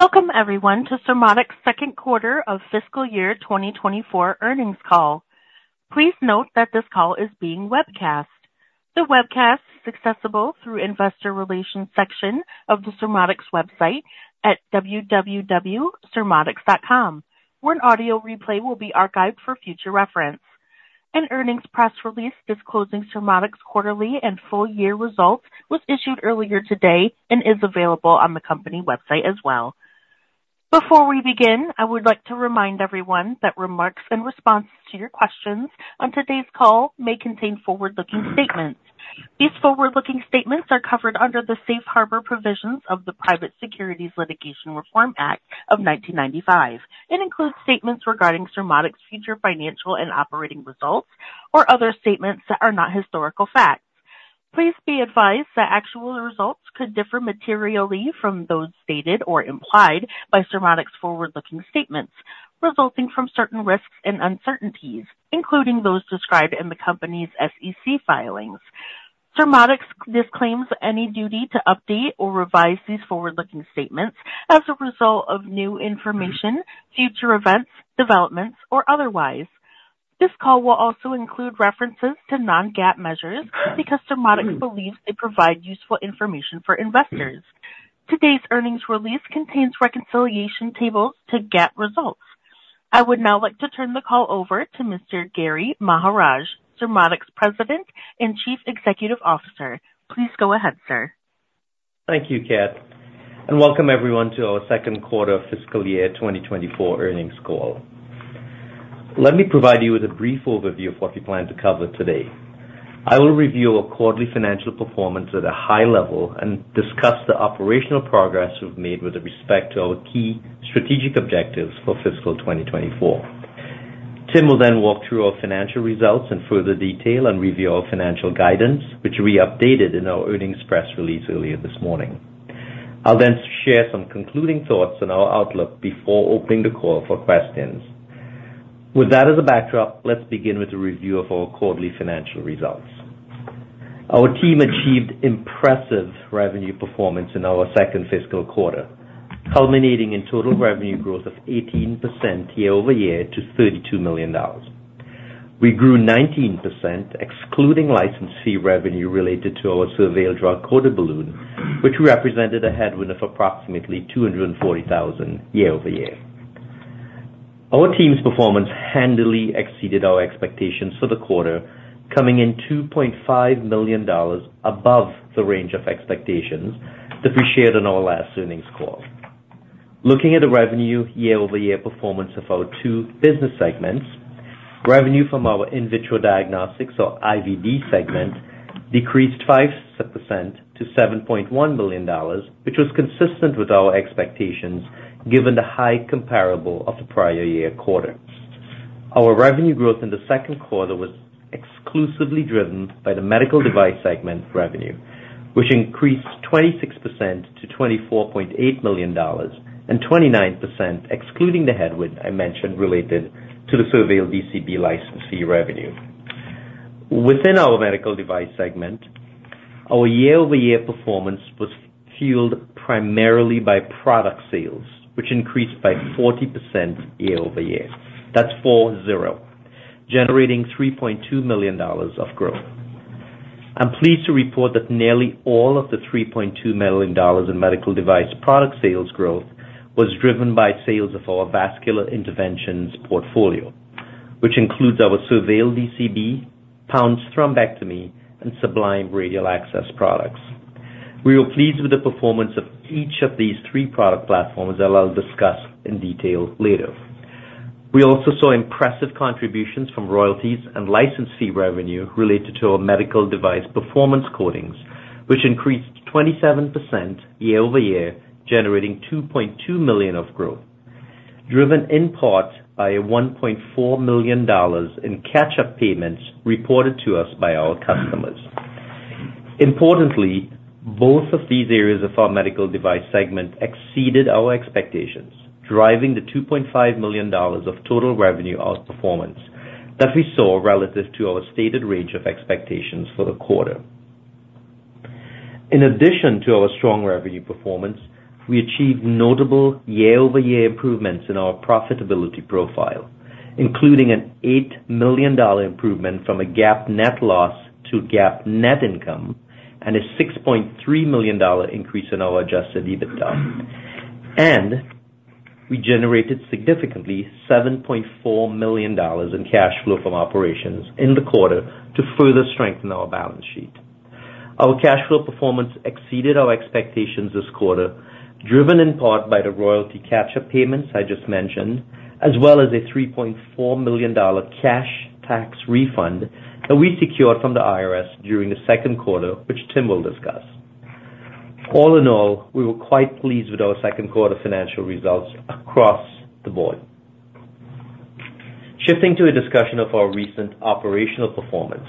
Welcome everyone to Surmodics' second quarter of fiscal year 2024 earnings call. Please note that this call is being webcast. The webcast is accessible through Investor Relations section of the Surmodics website at www.surmodics.com, where an audio replay will be archived for future reference. An earnings press release disclosing Surmodics quarterly and full year results was issued earlier today and is available on the company website as well. Before we begin, I would like to remind everyone that remarks in response to your questions on today's call may contain forward-looking statements. These forward-looking statements are covered under the Safe Harbor provisions of the Private Securities Litigation Reform Act of 1995, and includes statements regarding Surmodics' future financial and operating results or other statements that are not historical facts. Please be advised that actual results could differ materially from those stated or implied by Surmodics' forward-looking statements, resulting from certain risks and uncertainties, including those described in the company's SEC filings. Surmodics disclaims any duty to update or revise these forward-looking statements as a result of new information, future events, developments, or otherwise. This call will also include references to non-GAAP measures because Surmodics believes they provide useful information for investors. Today's earnings release contains reconciliation tables to GAAP results. I would now like to turn the call over to Mr. Gary Maharaj, Surmodics President and Chief Executive Officer. Please go ahead, sir. Thank you, Kat, and welcome everyone to our second quarter fiscal year 2024 earnings call. Let me provide you with a brief overview of what we plan to cover today. I will review our quarterly financial performance at a high level and discuss the operational progress we've made with respect to our key strategic objectives for fiscal 2024. Tim will then walk through our financial results in further detail and review our financial guidance, which we updated in our earnings press release earlier this morning. I'll then share some concluding thoughts on our outlook before opening the call for questions. With that as a backdrop, let's begin with a review of our quarterly financial results. Our team achieved impressive revenue performance in our second fiscal quarter, culminating in total revenue growth of 18% year-over-year to $32 million. We grew 19%, excluding license fee revenue related to our SurVeil drug-coated balloon, which represented a headwind of approximately $240,000 year-over-year. Our team's performance handily exceeded our expectations for the quarter, coming in $2.5 million above the range of expectations that we shared on our last earnings call. Looking at the revenue year-over-year performance of our two business segments, revenue from our In Vitro Diagnostics, or IVD segment, decreased 5% to $7.1 million, which was consistent with our expectations, given the high comparable of the prior year quarter. Our revenue growth in the second quarter was exclusively driven by the Medical Device segment revenue, which increased 26% to $24.8 million, and 29%, excluding the headwind I mentioned, related to the SurVeil DCB license fee revenue. Within our Medical Device segment, our year-over-year performance was fueled primarily by product sales, which increased by 40% year-over-year. That's 40, generating $3.2 million of growth. I'm pleased to report that nearly all of the $3.2 million in medical device product sales growth was driven by sales of our Vascular Interventions portfolio, which includes our SurVeil DCB, Pounce thrombectomy, and Sublime Radial Access products. We were pleased with the performance of each of these three product platforms that I'll discuss in detail later. We also saw impressive contributions from royalties and license fee revenue related to our Medical Device Performance Coatings, which increased 27% year-over-year, generating $2.2 million of growth, driven in part by a $1.4 million in catch-up payments reported to us by our customers. Importantly, both of these areas of our Medical Device segment exceeded our expectations, driving the $2.5 million of total revenue outperformance that we saw relative to our stated range of expectations for the quarter. In addition to our strong revenue performance, we achieved notable year-over-year improvements in our profitability profile, including an $8 million improvement from a GAAP net loss to GAAP net income, and a $6.3 million increase in our adjusted EBITDA. We generated significantly $7.4 million in cash flow from operations in the quarter to further strengthen our balance sheet. Our cash flow performance exceeded our expectations this quarter, driven in part by the royalty catch-up payments I just mentioned, as well as a $3.4 million cash tax refund that we secured from the IRS during the second quarter, which Tim will discuss. All in all, we were quite pleased with our second quarter financial results across the board. Shifting to a discussion of our recent operational performance,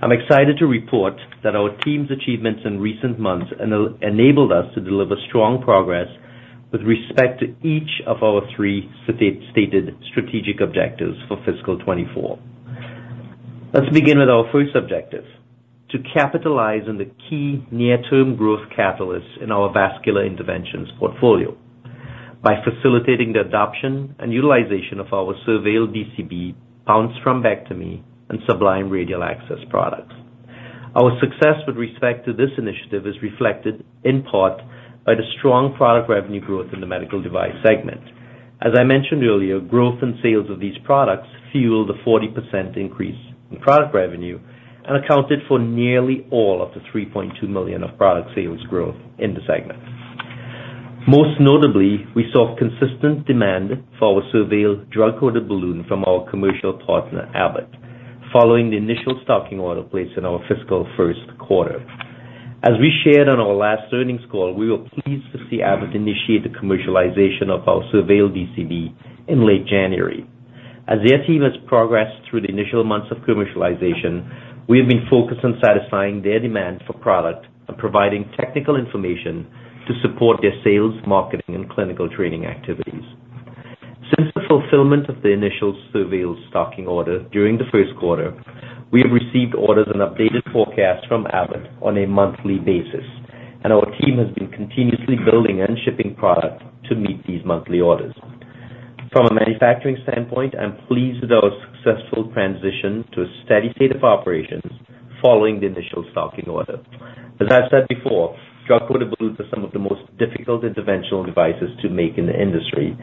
I'm excited to report that our team's achievements in recent months enabled us to deliver strong progress with respect to each of our three stated strategic objectives for fiscal 2024. Let's begin with our first objective, to capitalize on the key near-term growth catalysts in our Vascular Interventions portfolio by facilitating the adoption and utilization of our SurVeil DCB, Pounce thrombectomy, and Sublime Radial Access products. Our success with respect to this initiative is reflected in part by the strong product revenue growth in the Medical Device segment. As I mentioned earlier, growth in sales of these products fueled a 40% increase in product revenue and accounted for nearly all of the $3.2 million of product sales growth in the segment. Most notably, we saw consistent demand for our SurVeil drug-coated balloon from our commercial partner, Abbott, following the initial stocking order placed in our fiscal first quarter. As we shared on our last earnings call, we were pleased to see Abbott initiate the commercialization of our SurVeil DCB in late January. As their team has progressed through the initial months of commercialization, we have been focused on satisfying their demand for product and providing technical information to support their sales, marketing, and clinical training activities. Since the fulfillment of the initial SurVeil stocking order during the first quarter, we have received orders and updated forecasts from Abbott on a monthly basis, and our team has been continuously building and shipping product to meet these monthly orders. From a manufacturing standpoint, I'm pleased with our successful transition to a steady state of operations following the initial stocking order. As I've said before, drug-coated balloons are some of the most difficult interventional devices to make in the industry,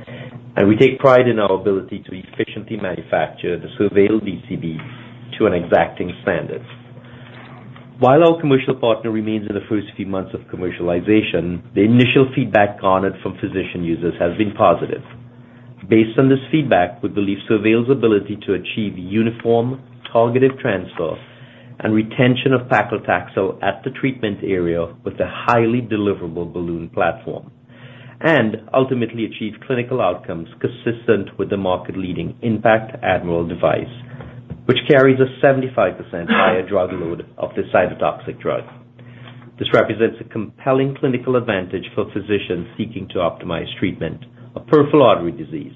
and we take pride in our ability to efficiently manufacture the SurVeil DCB to an exacting standard. While our commercial partner remains in the first few months of commercialization, the initial feedback garnered from physician users has been positive. Based on this feedback, we believe SurVeil's ability to achieve uniform, targeted transfer and retention of paclitaxel at the treatment area, with a highly deliverable balloon platform, and ultimately achieve clinical outcomes consistent with the market-leading IN.PACT Admiral device, which carries a 75% higher drug load of the cytotoxic drug. This represents a compelling clinical advantage for physicians seeking to optimize treatment of peripheral artery disease.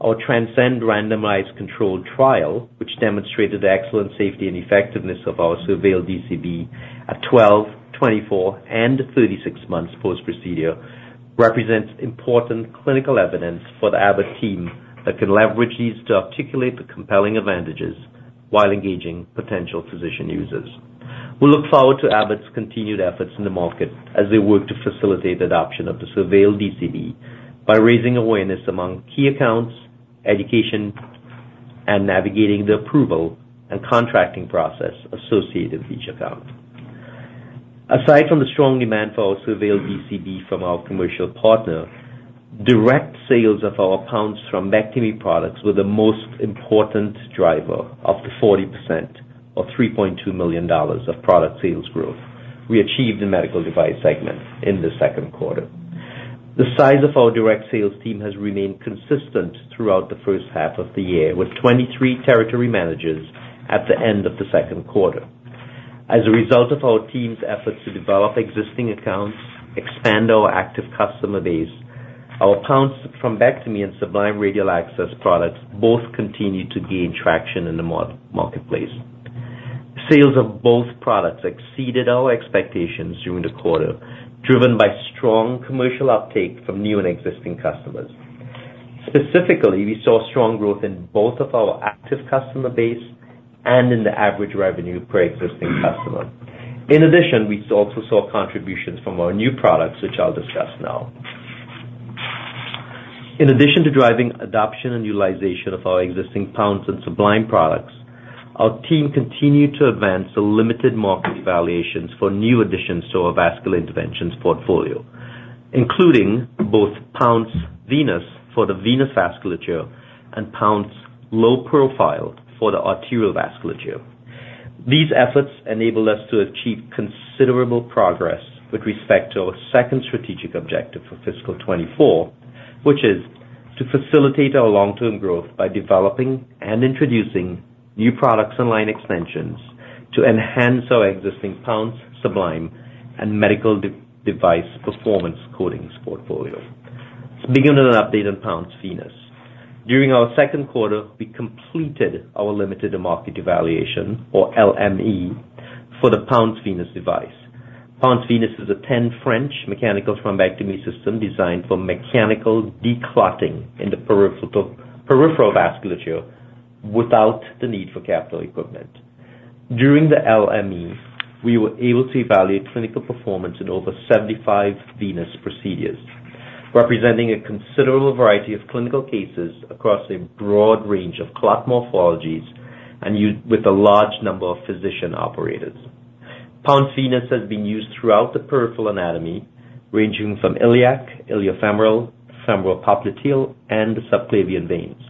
Our TRANSCEND randomized controlled trial, which demonstrated the excellent safety and effectiveness of our SurVeil DCB at 12, 24, and 36 months post-procedure, represents important clinical evidence for the Abbott team that can leverage these to articulate the compelling advantages while engaging potential physician users. We look forward to Abbott's continued efforts in the market as they work to facilitate adoption of the SurVeil DCB by raising awareness among key accounts, education, and navigating the approval and contracting process associated with each account. Aside from the strong demand for our SurVeil DCB from our commercial partner, direct sales of our Pounce thrombectomy products were the most important driver of the 40% or $3.2 million of product sales growth we achieved in Medical Device segment in the second quarter. The size of our direct sales team has remained consistent throughout the first half of the year, with 23 territory managers at the end of the second quarter. As a result of our team's efforts to develop existing accounts, expand our active customer base, our Pounce Thrombectomy System and Sublime Radial Access products both continued to gain traction in the marketplace. Sales of both products exceeded our expectations during the quarter, driven by strong commercial uptake from new and existing customers. Specifically, we saw strong growth in both of our active customer base and in the average revenue per existing customer. In addition, we also saw contributions from our new products, which I'll discuss now. In addition to driving adoption and utilization of our existing Pounce and Sublime products, our team continued to advance the limited market evaluations for new additions to our Vascular Interventions portfolio, including both Pounce Venous for the venous vasculature and Pounce Low Profile for the arterial vasculature. These efforts enabled us to achieve considerable progress with respect to our second strategic objective for fiscal 2024, which is to facilitate our long-term growth by developing and introducing new products and line extensions to enhance our existing Pounce, Sublime, and Medical Device Performance Coatings portfolio. Let's begin with an update on Pounce Venous. During our second quarter, we completed our limited market evaluation, or LME, for the Pounce Venous device. Pounce Venous is a 10 French mechanical thrombectomy system designed for mechanical declotting in the peripheral vasculature without the need for capital equipment. During the LME, we were able to evaluate clinical performance in over 75 venous procedures, representing a considerable variety of clinical cases across a broad range of clot morphologies and with a large number of physician operators. Pounce Venous has been used throughout the peripheral anatomy, ranging from iliac, iliofemoral, femoropopliteal, and the subclavian veins.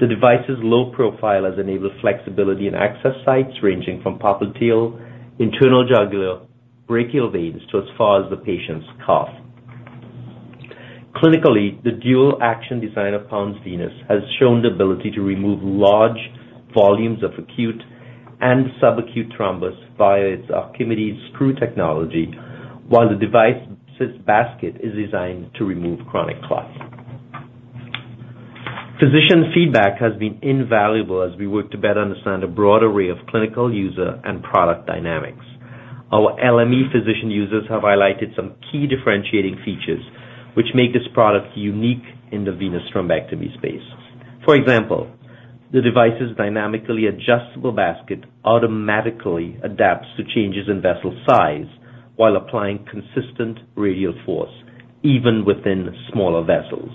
The device's low profile has enabled flexibility in access sites, ranging from popliteal, internal jugular, brachial veins, to as far as the patient's calf. Clinically, the dual-action design of Pounce Venous has shown the ability to remove large volumes of acute and subacute thrombus via its Archimedes screw technology, while the device's basket is designed to remove chronic clots. Physician feedback has been invaluable as we work to better understand a broad array of clinical, user, and product dynamics. Our key physician users have highlighted some key differentiating features, which make this product unique in the venous thrombectomy space. For example, the device's dynamically adjustable basket automatically adapts to changes in vessel size while applying consistent radial force, even within smaller vessels.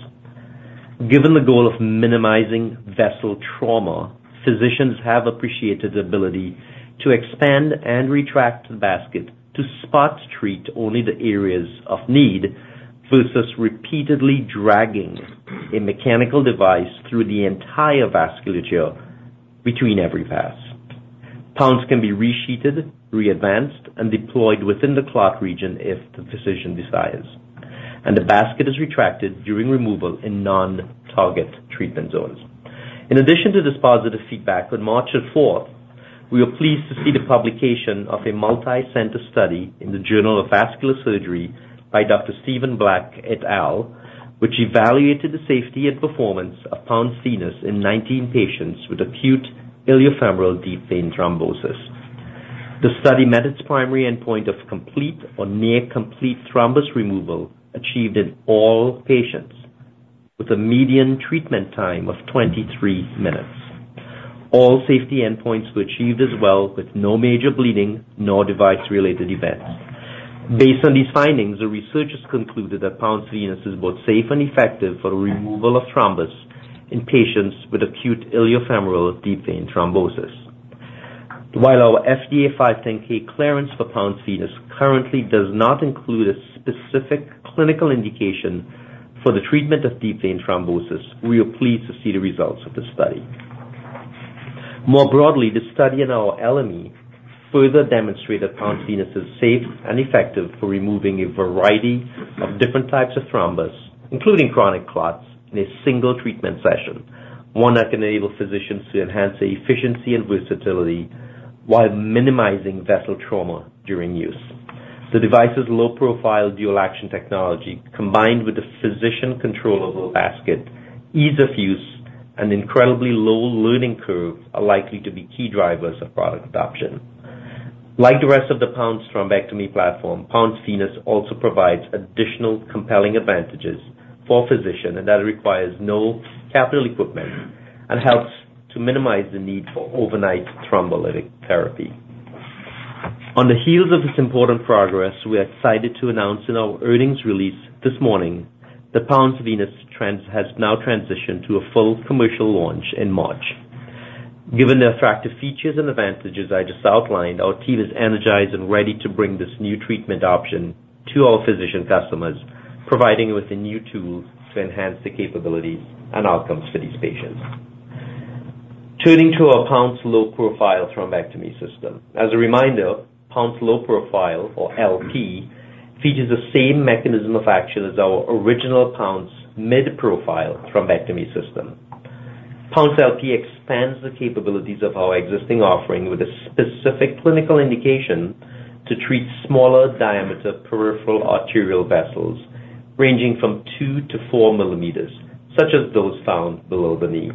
Given the goal of minimizing vessel trauma, physicians have appreciated the ability to expand and retract the basket to spot treat only the areas of need, versus repeatedly dragging a mechanical device through the entire vasculature between every pass. Pounce can be resheathed, readvanced, and deployed within the clot region if the physician desires, and the basket is retracted during removal in non-target treatment zones. In addition to this positive feedback, on March the fourth, we were pleased to see the publication of a multicenter study in the Journal of Vascular Surgery by Dr. Stephen Black, et al., which evaluated the safety and performance of Pounce Venous in 19 patients with acute iliofemoral deep vein thrombosis. The study met its primary endpoint of complete or near complete thrombus removal, achieved in all patients, with a median treatment time of 23 minutes. All safety endpoints were achieved as well, with no major bleeding, no device-related events. Based on these findings, the researchers concluded that Pounce Venous is both safe and effective for the removal of thrombus in patients with acute iliofemoral deep vein thrombosis. While our FDA 510(k) clearance for Pounce Venous currently does not include a specific clinical indication for the treatment of deep vein thrombosis, we are pleased to see the results of this study. More broadly, this study in our LME further demonstrate that Pounce Venous is safe and effective for removing a variety of different types of thrombus, including chronic clots, in a single treatment session, one that can enable physicians to enhance the efficiency and versatility while minimizing vessel trauma during use. The device's low-profile, dual-action technology, combined with the physician-controllable basket, ease of use, and incredibly low learning curve, are likely to be key drivers of product adoption. Like the rest of the Pounce thrombectomy platform, Pounce Venous also provides additional compelling advantages for a physician, and that requires no capital equipment and helps to minimize the need for overnight thrombolytic therapy. On the heels of this important progress, we are excited to announce in our earnings release this morning that Pounce Venous has now transitioned to a full commercial launch in March. Given the attractive features and advantages I just outlined, our team is energized and ready to bring this new treatment option to our physician customers, providing them with a new tool to enhance the capabilities and outcomes for these patients. Turning to our Pounce Low Profile thrombectomy system. As a reminder, Pounce Low Profile, or LP, features the same mechanism of action as our original Pounce mid-profile thrombectomy system. Pounce LP expands the capabilities of our existing offering with a specific clinical indication to treat smaller diameter peripheral arterial vessels, ranging from 2-4 millimeters, such as those found below the knee.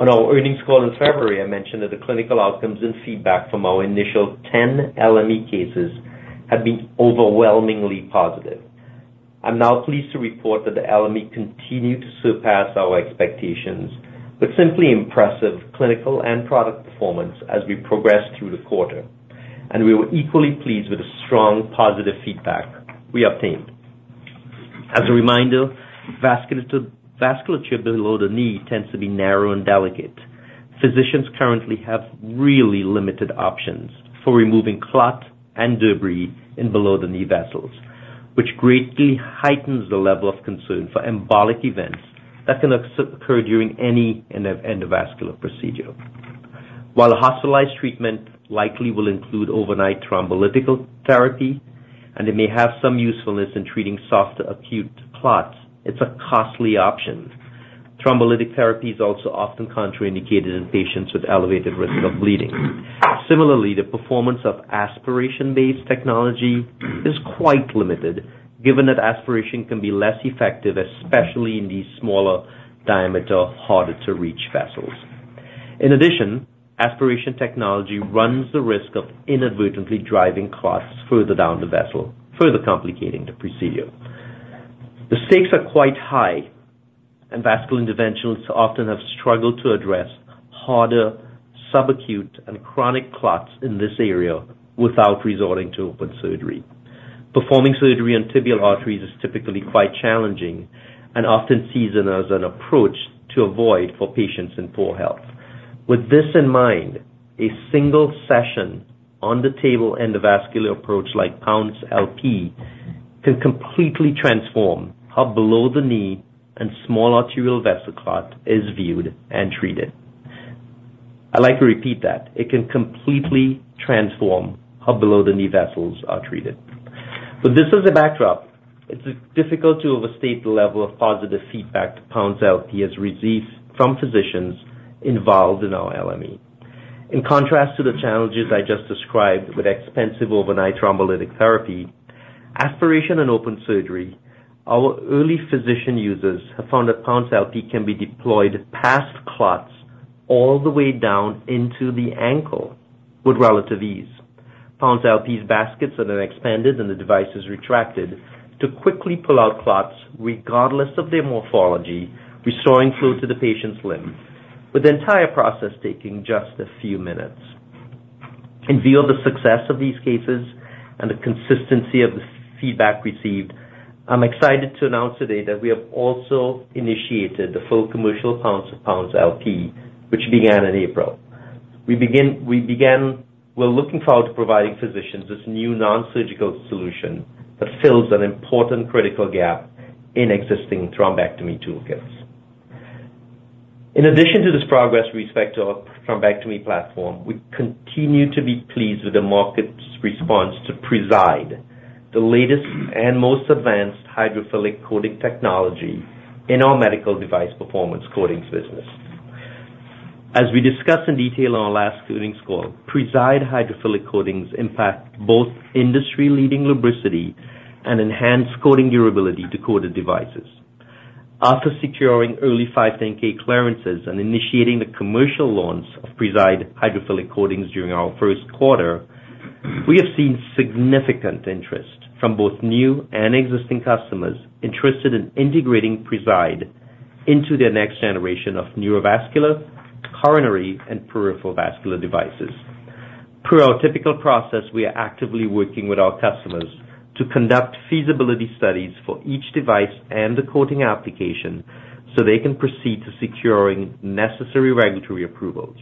On our earnings call in February, I mentioned that the clinical outcomes and feedback from our initial 10 LME cases have been overwhelmingly positive. I'm now pleased to report that the LME continued to surpass our expectations, with simply impressive clinical and product performance as we progressed through the quarter, and we were equally pleased with the strong, positive feedback we obtained. As a reminder, vascular vasculature below the knee tends to be narrow and delicate. Physicians currently have really limited options for removing clot and debris in below-the-knee vessels, which greatly heightens the level of concern for embolic events that can occur during any endovascular procedure. While a hospitalized treatment likely will include overnight thrombolytic therapy, and it may have some usefulness in treating soft acute clots, it's a costly option. Thrombolytic therapy is also often contraindicated in patients with elevated risk of bleeding. Similarly, the performance of aspiration-based technology is quite limited, given that aspiration can be less effective, especially in these smaller diameter, harder-to-reach vessels. In addition, aspiration technology runs the risk of inadvertently driving clots further down the vessel, further complicating the procedure. The stakes are quite high, and Vascular Interventionalists often have struggled to address harder, subacute, and chronic clots in this area without resorting to open surgery. Performing surgery on tibial arteries is typically quite challenging and often seen as an approach to avoid for patients in poor health. With this in mind, a single session on the table endovascular approach, like Pounce LP, can completely transform how below the knee and small arterial vessel clot is viewed and treated. I'd like to repeat that: It can completely transform how below-the-knee vessels are treated. With this as a backdrop, it's difficult to overstate the level of positive feedback Pounce LP has received from physicians involved in our LME. In contrast to the challenges I just described with expensive overnight thrombolytic therapy. Aspiration and open surgery, our early physician users have found that Pounce LP can be deployed past clots all the way down into the ankle with relative ease. Pounce LP's baskets are then expanded, and the device is retracted to quickly pull out clots, regardless of their morphology, restoring flow to the patient's limb, with the entire process taking just a few minutes. In view of the success of these cases and the consistency of the feedback received, I'm excited to announce today that we have also initiated the full commercial launch of Pounce LP, which began in April. We're looking forward to providing physicians this new non-surgical solution that fills an important critical gap in existing thrombectomy toolkits. In addition to this progress with respect to our thrombectomy platform, we continue to be pleased with the market's response to Preside, the latest and most advanced hydrophilic coating technology in our Medical Device Performance Coatings business. As we discussed in detail on our last earnings call, Preside Hydrophilic Coatings impact both industry-leading lubricity and enhanced coating durability to coated devices. After securing early 510(k) clearances and initiating the commercial launch of Preside Hydrophilic Coatings during our first quarter, we have seen significant interest from both new and existing customers interested in integrating Preside into their next generation of neurovascular, coronary, and peripheral vascular devices. Per our typical process, we are actively working with our customers to conduct feasibility studies for each device and the coating application, so they can proceed to securing necessary regulatory approvals.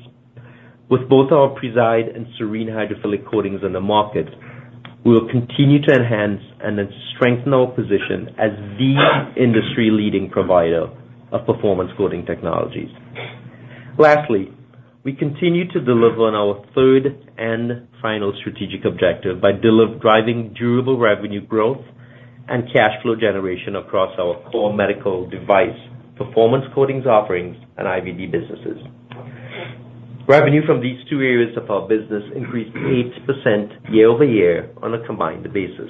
With both our Preside and Serene Hydrophilic Coatings on the market, we will continue to enhance and then strengthen our position as the industry-leading provider of performance coating technologies. Lastly, we continue to deliver on our third and final strategic objective by driving durable revenue growth and cash flow generation across our core medical device, performance coatings offerings, and IVD businesses. Revenue from these two areas of our business increased 8% year-over-year on a combined basis.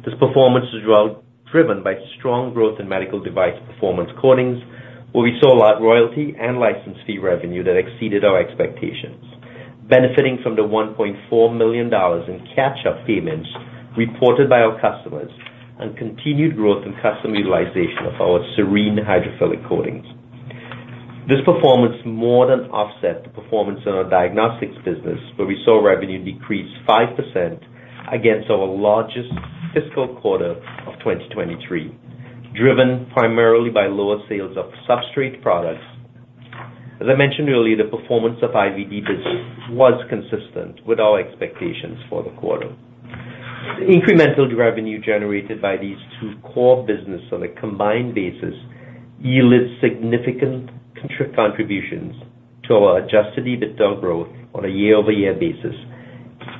This performance is well driven by strong growth in Medical Device Performance Coatings, where we saw a lot of royalty and license fee revenue that exceeded our expectations, benefiting from the $1.4 million in catch-up payments reported by our customers and continued growth in customer utilization of our Serene Hydrophilic Coatings. This performance more than offset the performance in our diagnostics business, where we saw revenue decrease 5% against our largest fiscal quarter of 2023, driven primarily by lower sales of substrate products. As I mentioned earlier, the performance of IVD business was consistent with our expectations for the quarter. Incremental revenue generated by these two core business on a combined basis yields significant contributions to our adjusted EBITDA growth on a year-over-year basis,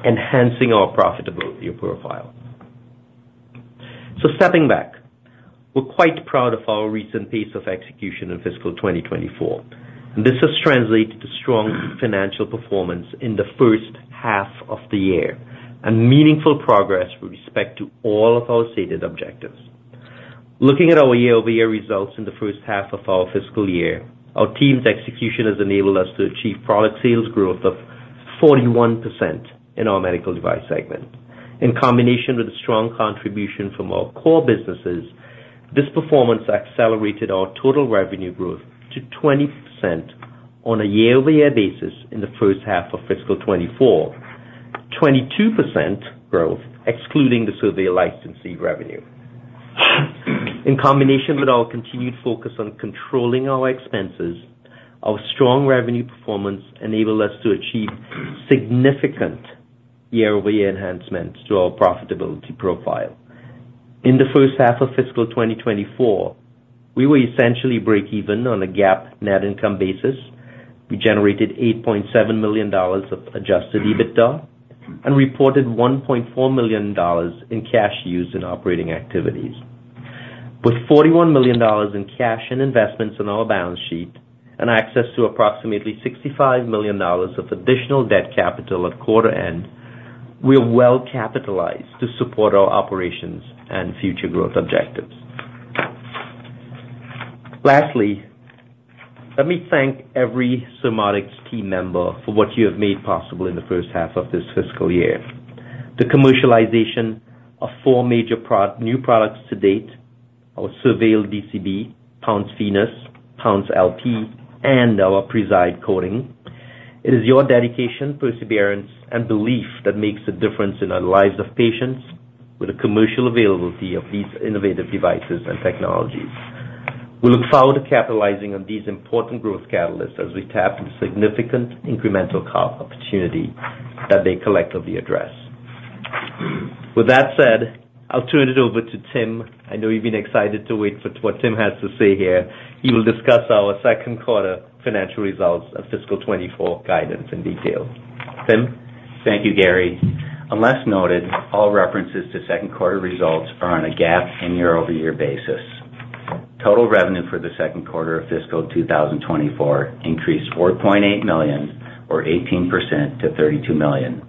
enhancing our profitability profile. So stepping back, we're quite proud of our recent pace of execution in fiscal 2024. This has translated to strong financial performance in the first half of the year, and meaningful progress with respect to all of our stated objectives. Looking at our year-over-year results in the first half of our fiscal year, our team's execution has enabled us to achieve product sales growth of 41% in our Medical Device segment. In combination with the strong contribution from our core businesses, this performance accelerated our total revenue growth to 20% on a year-over-year basis in the first half of fiscal 2024. 22% growth, excluding the SurVeil license fee revenue. In combination with our continued focus on controlling our expenses, our strong revenue performance enabled us to achieve significant year-over-year enhancements to our profitability profile. In the first half of fiscal 2024, we were essentially break even on a GAAP net income basis. We generated $8.7 million of adjusted EBITDA, and reported $1.4 million in cash used in operating activities. With $41 million in cash and investments on our balance sheet and access to approximately $65 million of additional debt capital at quarter end, we are well capitalized to support our operations and future growth objectives. Lastly, let me thank every Surmodics team member for what you have made possible in the first half of this fiscal year. The commercialization of four major new products to date, our SurVeil DCB, Pounce Venous, Pounce LP, and our Preside coating. It is your dedication, perseverance, and belief that makes a difference in the lives of patients with the commercial availability of these innovative devices and technologies. We look forward to capitalizing on these important growth catalysts as we tap the significant incremental opportunity that they collectively address. With that said, I'll turn it over to Tim. I know you've been excited to wait for what Tim has to say here. He will discuss our second quarter financial results of fiscal 2024 guidance in detail. Tim? Thank you, Gary. Unless noted, all references to second quarter results are on a GAAP and year-over-year basis. Total revenue for the second quarter of fiscal 2024 increased $4.8 million, or 18% to $32 million.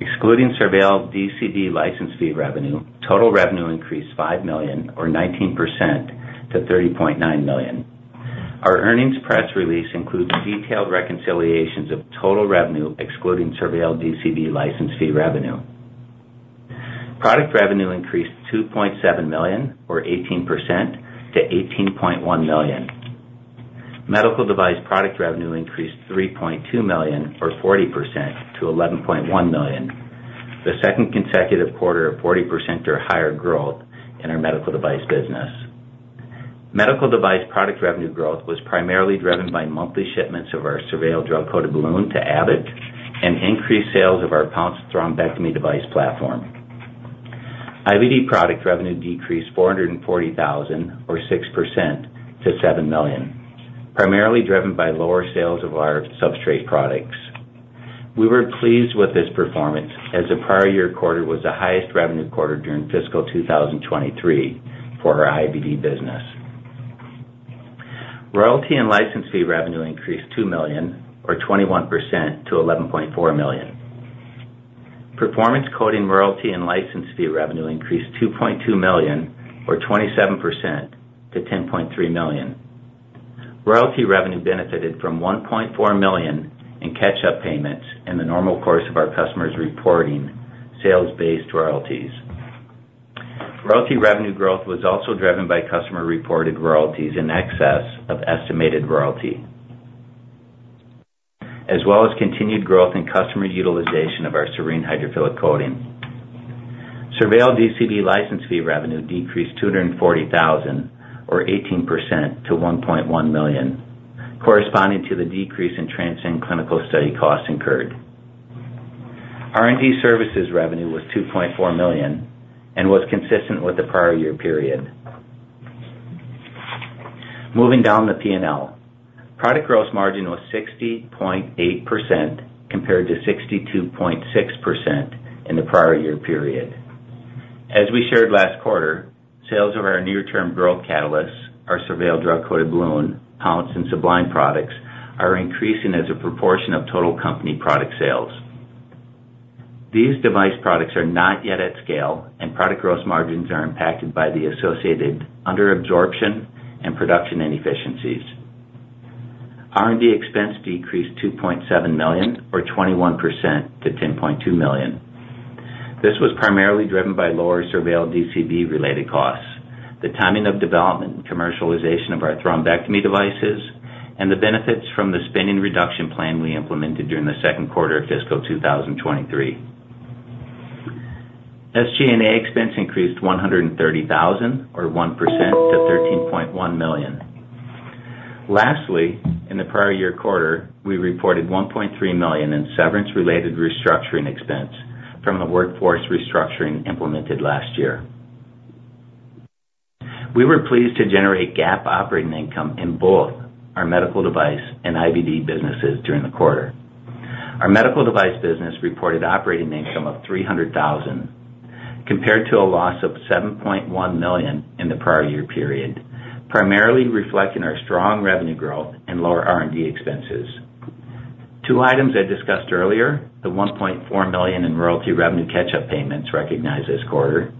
Excluding SurVeil DCB license fee revenue, total revenue increased $5 million or 19% to $30.9 million. Our earnings press release includes detailed reconciliations of total revenue, excluding SurVeil DCB license fee revenue. Product revenue increased $2.7 million, or 18% to $18.1 million. Medical device product revenue increased $3.2 million, or 40% to $11.1 million, the second consecutive quarter of 40% or higher growth in our medical device business. Medical device product revenue growth was primarily driven by monthly shipments of our SurVeil drug-coated balloon to Abbott and increased sales of our Pounce thrombectomy device platform. IVD product revenue decreased $440,000, or 6% to $7 million, primarily driven by lower sales of our substrate products. We were pleased with this performance as the prior year quarter was the highest revenue quarter during fiscal 2023 for our IVD business. Royalty and license fee revenue increased $2 million, or 21% to $11.4 million. Performance Coatings, royalty, and license fee revenue increased $2.2 million, or 27% to $10.3 million. Royalty revenue benefited from $1.4 million in catch-up payments in the normal course of our customers reporting sales-based royalties. Royalty revenue growth was also driven by customer-reported royalties in excess of estimated royalty, as well as continued growth in customer utilization of our Serene Hydrophilic Coating. SurVeil DCB license fee revenue decreased $240,000, or 18% to $1.1 million, corresponding to the decrease in TRANSCEND clinical study costs incurred. R&D services revenue was $2.4 million and was consistent with the prior year period. Moving down the P&L, product gross margin was 60.8% compared to 62.6% in the prior year period. As we shared last quarter, sales of our near-term growth catalysts, our SurVeil drug-coated balloon, Pounce and Sublime products, are increasing as a proportion of total company product sales. These device products are not yet at scale, and product gross margins are impacted by the associated under absorption and production inefficiencies. R&D expense decreased $2.7 million, or 21% to $10.2 million. This was primarily driven by lower SurVeil DCB related costs, the timing of development and commercialization of our thrombectomy devices, and the benefits from the spending reduction plan we implemented during the second quarter of fiscal 2023. SG&A expense increased $130,000, or 1% to $13.1 million. Lastly, in the prior year quarter, we reported $1.3 million in severance-related restructuring expense from the workforce restructuring implemented last year. We were pleased to generate GAAP operating income in both our medical device and IVD businesses during the quarter. Our medical device business reported operating income of $300,000, compared to a loss of $7.1 million in the prior year period, primarily reflecting our strong revenue growth and lower R&D expenses. Two items I discussed earlier, the $1.4 million in royalty revenue catch-up payments recognized this quarter,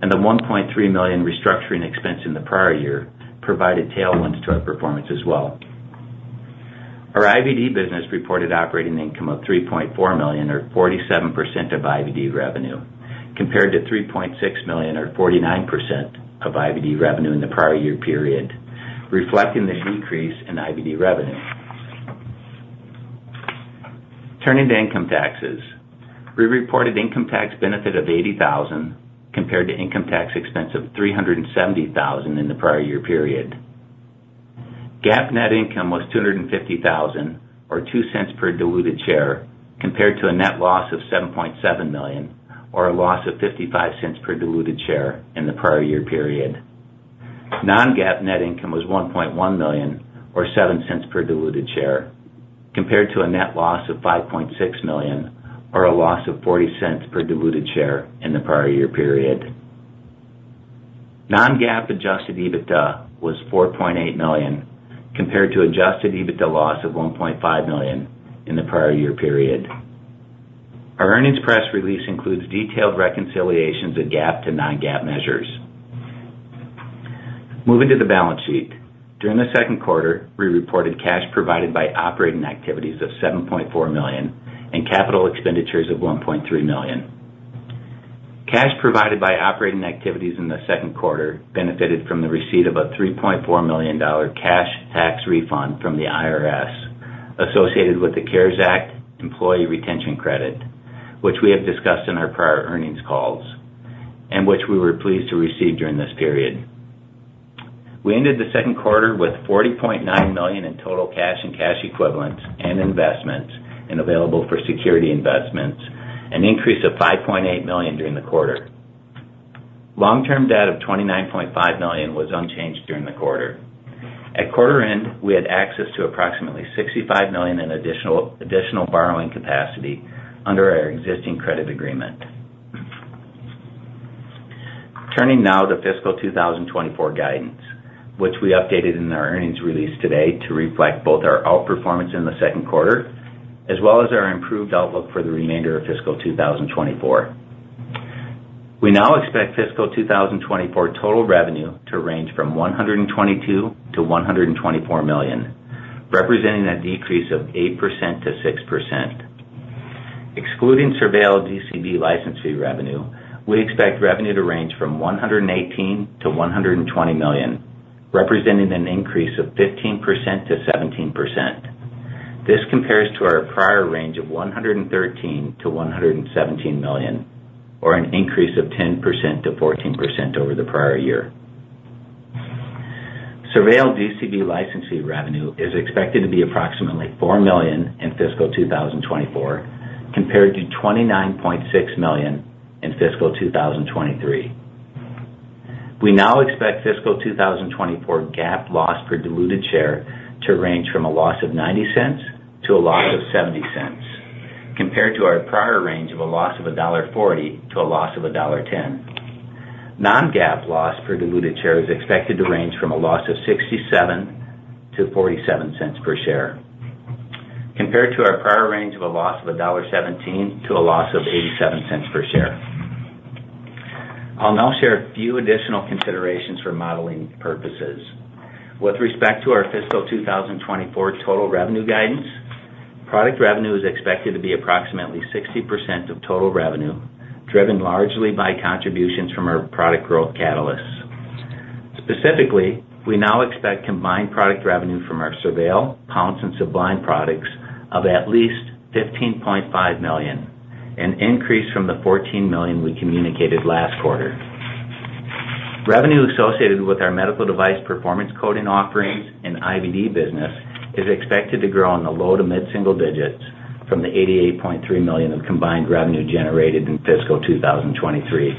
and the $1.3 million restructuring expense in the prior year, provided tailwinds to our performance as well. Our IVD business reported operating income of $3.4 million, or 47% of IVD revenue, compared to $3.6 million, or 49% of IVD revenue in the prior year period, reflecting the decrease in IVD revenue. Turning to income taxes. We reported income tax benefit of $80,000, compared to income tax expense of $370,000 in the prior year period. GAAP net income was $250,000, or $0.02 per diluted share, compared to a net loss of $7.7 million, or a loss of $0.55 per diluted share in the prior year period. Non-GAAP net income was $1.1 million or $0.07 per diluted share, compared to a net loss of $5.6 million, or a loss of $0.40 per diluted share in the prior year period. Non-GAAP adjusted EBITDA was $4.8 million, compared to adjusted EBITDA loss of $1.5 million in the prior year period. Our earnings press release includes detailed reconciliations of GAAP to non-GAAP measures. Moving to the balance sheet. During the second quarter, we reported cash provided by operating activities of $7.4 million and capital expenditures of $1.3 million. Cash provided by operating activities in the second quarter benefited from the receipt of a $3.4 million cash tax refund from the IRS associated with the CARES Act employee retention credit, which we have discussed in our prior earnings calls and which we were pleased to receive during this period. We ended the second quarter with $40.9 million in total cash and cash equivalents and investments and available-for-sale securities, an increase of $5.8 million during the quarter. Long-term debt of $29.5 million was unchanged during the quarter. At quarter end, we had access to approximately $65 million in additional borrowing capacity under our existing credit agreement. Turning now to fiscal 2024 guidance, which we updated in our earnings release today to reflect both our outperformance in the second quarter, as well as our improved outlook for the remainder of fiscal 2024. We now expect fiscal 2024 total revenue to range from $122 million-$124 million, representing a decrease of 8%-6%. Excluding SurVeil DCB license fee revenue, we expect revenue to range from $118 million-$120 million, representing an increase of 15%-17%. This compares to our prior range of $113 million-$117 million, or an increase of 10%-14% over the prior year. SurVeil DCB license fee revenue is expected to be approximately $4 million in fiscal 2024, compared to $29.6 million in fiscal 2023. We now expect fiscal 2024 GAAP loss per diluted share to range from a loss of $0.90 to a loss of $0.70, compared to our prior range of a loss of $1.40 to a loss of $1.10. Non-GAAP loss per diluted share is expected to range from a loss of $0.67 to $0.47 per share, compared to our prior range of a loss of $1.17 to a loss of $0.87 per share. I'll now share a few additional considerations for modeling purposes. With respect to our fiscal 2024 total revenue guidance, product revenue is expected to be approximately 60% of total revenue, driven largely by contributions from our product growth catalysts. Specifically, we now expect combined product revenue from our SurVeil, Pounce, and Sublime products of at least $15.5 million, an increase from the $14 million we communicated last quarter. Revenue associated with our Medical Device Performance Coatings offerings and IVD business is expected to grow in the low to mid-single digits from the $88.3 million of combined revenue generated in fiscal 2023.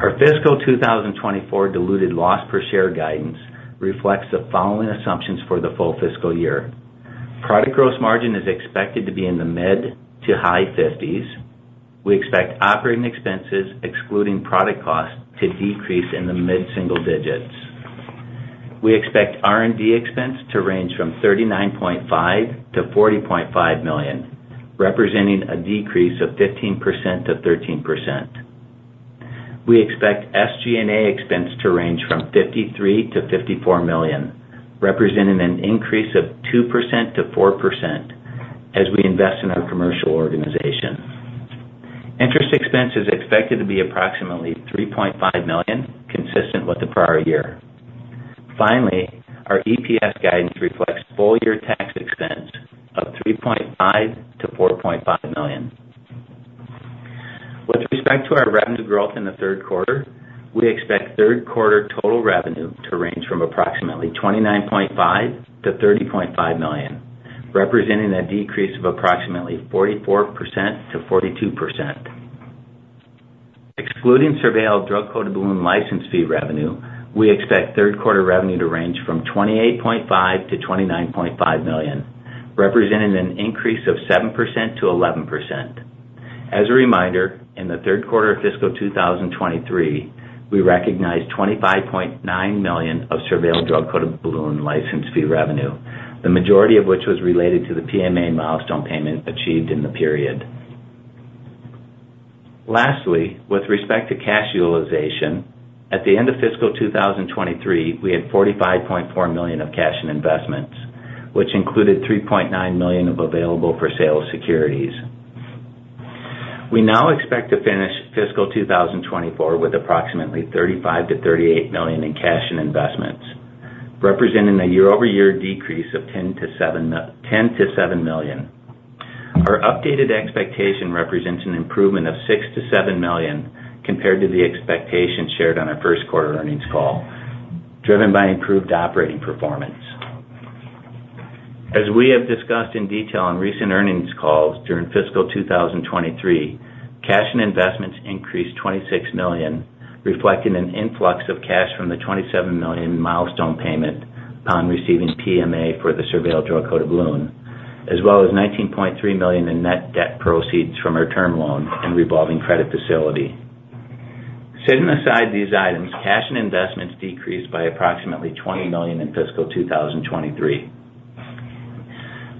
Our fiscal 2024 diluted loss per share guidance reflects the following assumptions for the full fiscal year. Product gross margin is expected to be in the mid- to high-50s. We expect operating expenses, excluding product costs, to decrease in the mid-single digits. We expect R&D expense to range from $39.5-$40.5 million, representing a decrease of 15%-13%. We expect SG&A expense to range from $53-$54 million, representing an increase of 2%-4% as we invest in our commercial organization. Interest expense is expected to be approximately $3.5 million, consistent with the prior year. Finally, our EPS guidance reflects full-year tax expense of $3.5-$4.5 million. With respect to our revenue growth in the third quarter, we expect third quarter total revenue to range from approximately $29.5-$30.5 million, representing a decrease of approximately 44%-42%. Excluding SurVeil drug-coated balloon license fee revenue, we expect third quarter revenue to range from $28.5 million-$29.5 million, representing an increase of 7%-11%. As a reminder, in the third quarter of fiscal 2023, we recognized $25.9 million of SurVeil drug-coated balloon license fee revenue, the majority of which was related to the PMA milestone payment achieved in the period. Lastly, with respect to cash utilization, at the end of fiscal 2023, we had $45.4 million of cash and investments, which included $3.9 million of available-for-sale securities. We now expect to finish fiscal 2024 with approximately $35 million-$38 million in cash and investments, representing a year-over-year decrease of $10 million-$7 million. Our updated expectation represents an improvement of $6-7 million compared to the expectations shared on our first quarter earnings call, driven by improved operating performance. As we have discussed in detail on recent earnings calls during fiscal 2023, cash and investments increased $26 million, reflecting an influx of cash from the $27 million milestone payment upon receiving PMA for the SurVeil drug-coated balloon, as well as $19.3 million in net debt proceeds from our term loan and revolving credit facility. Setting aside these items, cash and investments decreased by approximately $20 million in fiscal 2023.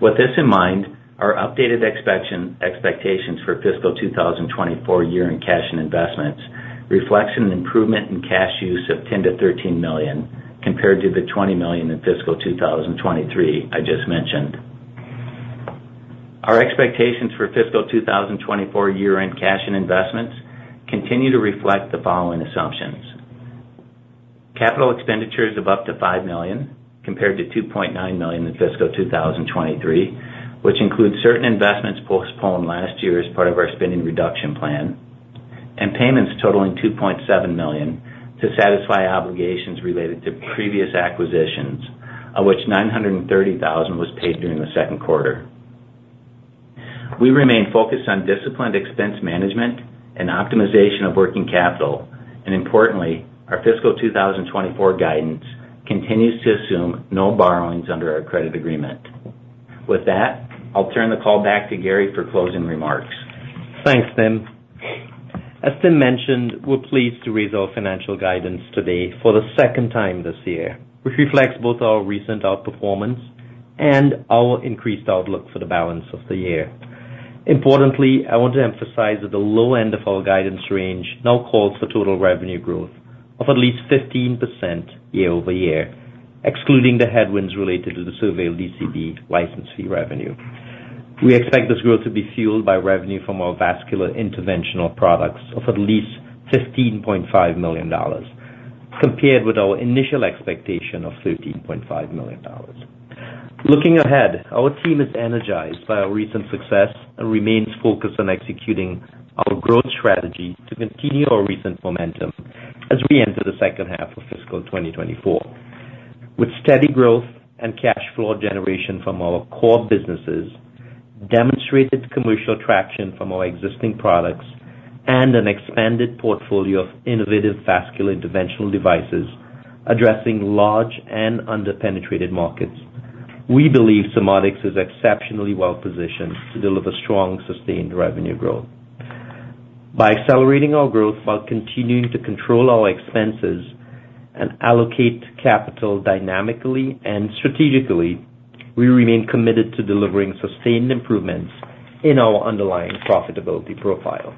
With this in mind, our updated expectations for fiscal 2024 year-end cash and investments reflects an improvement in cash use of $10-13 million compared to the $20 million in fiscal 2023 I just mentioned. Our expectations for fiscal 2024 year-end cash and investments continue to reflect the following assumptions: capital expenditures of up to $5 million, compared to $2.9 million in fiscal 2023, which includes certain investments postponed last year as part of our spending reduction plan, and payments totaling $2.7 million to satisfy obligations related to previous acquisitions, of which $930,000 was paid during the second quarter. We remain focused on disciplined expense management and optimization of working capital, and importantly, our fiscal 2024 guidance continues to assume no borrowings under our credit agreement. With that, I'll turn the call back to Gary for closing remarks. Thanks, Tim. As Tim mentioned, we're pleased to raise our financial guidance today for the second time this year, which reflects both our recent outperformance and our increased outlook for the balance of the year. Importantly, I want to emphasize that the low end of our guidance range now calls for total revenue growth of at least 15% year-over-year, excluding the headwinds related to the SurVeil DCB license fee revenue. We expect this growth to be fueled by revenue from our Vascular Interventional products of at least $15.5 million, compared with our initial expectation of $13.5 million. Looking ahead, our team is energized by our recent success and remains focused on executing our growth strategy to continue our recent momentum as we enter the second half of fiscal 2024. With steady growth and cash flow generation from our core businesses, demonstrated commercial traction from our existing products, and an expanded portfolio of innovative Vascular Interventional devices addressing large and under-penetrated markets, we believe Surmodics is exceptionally well positioned to deliver strong, sustained revenue growth. By accelerating our growth while continuing to control our expenses and allocate capital dynamically and strategically, we remain committed to delivering sustained improvements in our underlying profitability profile.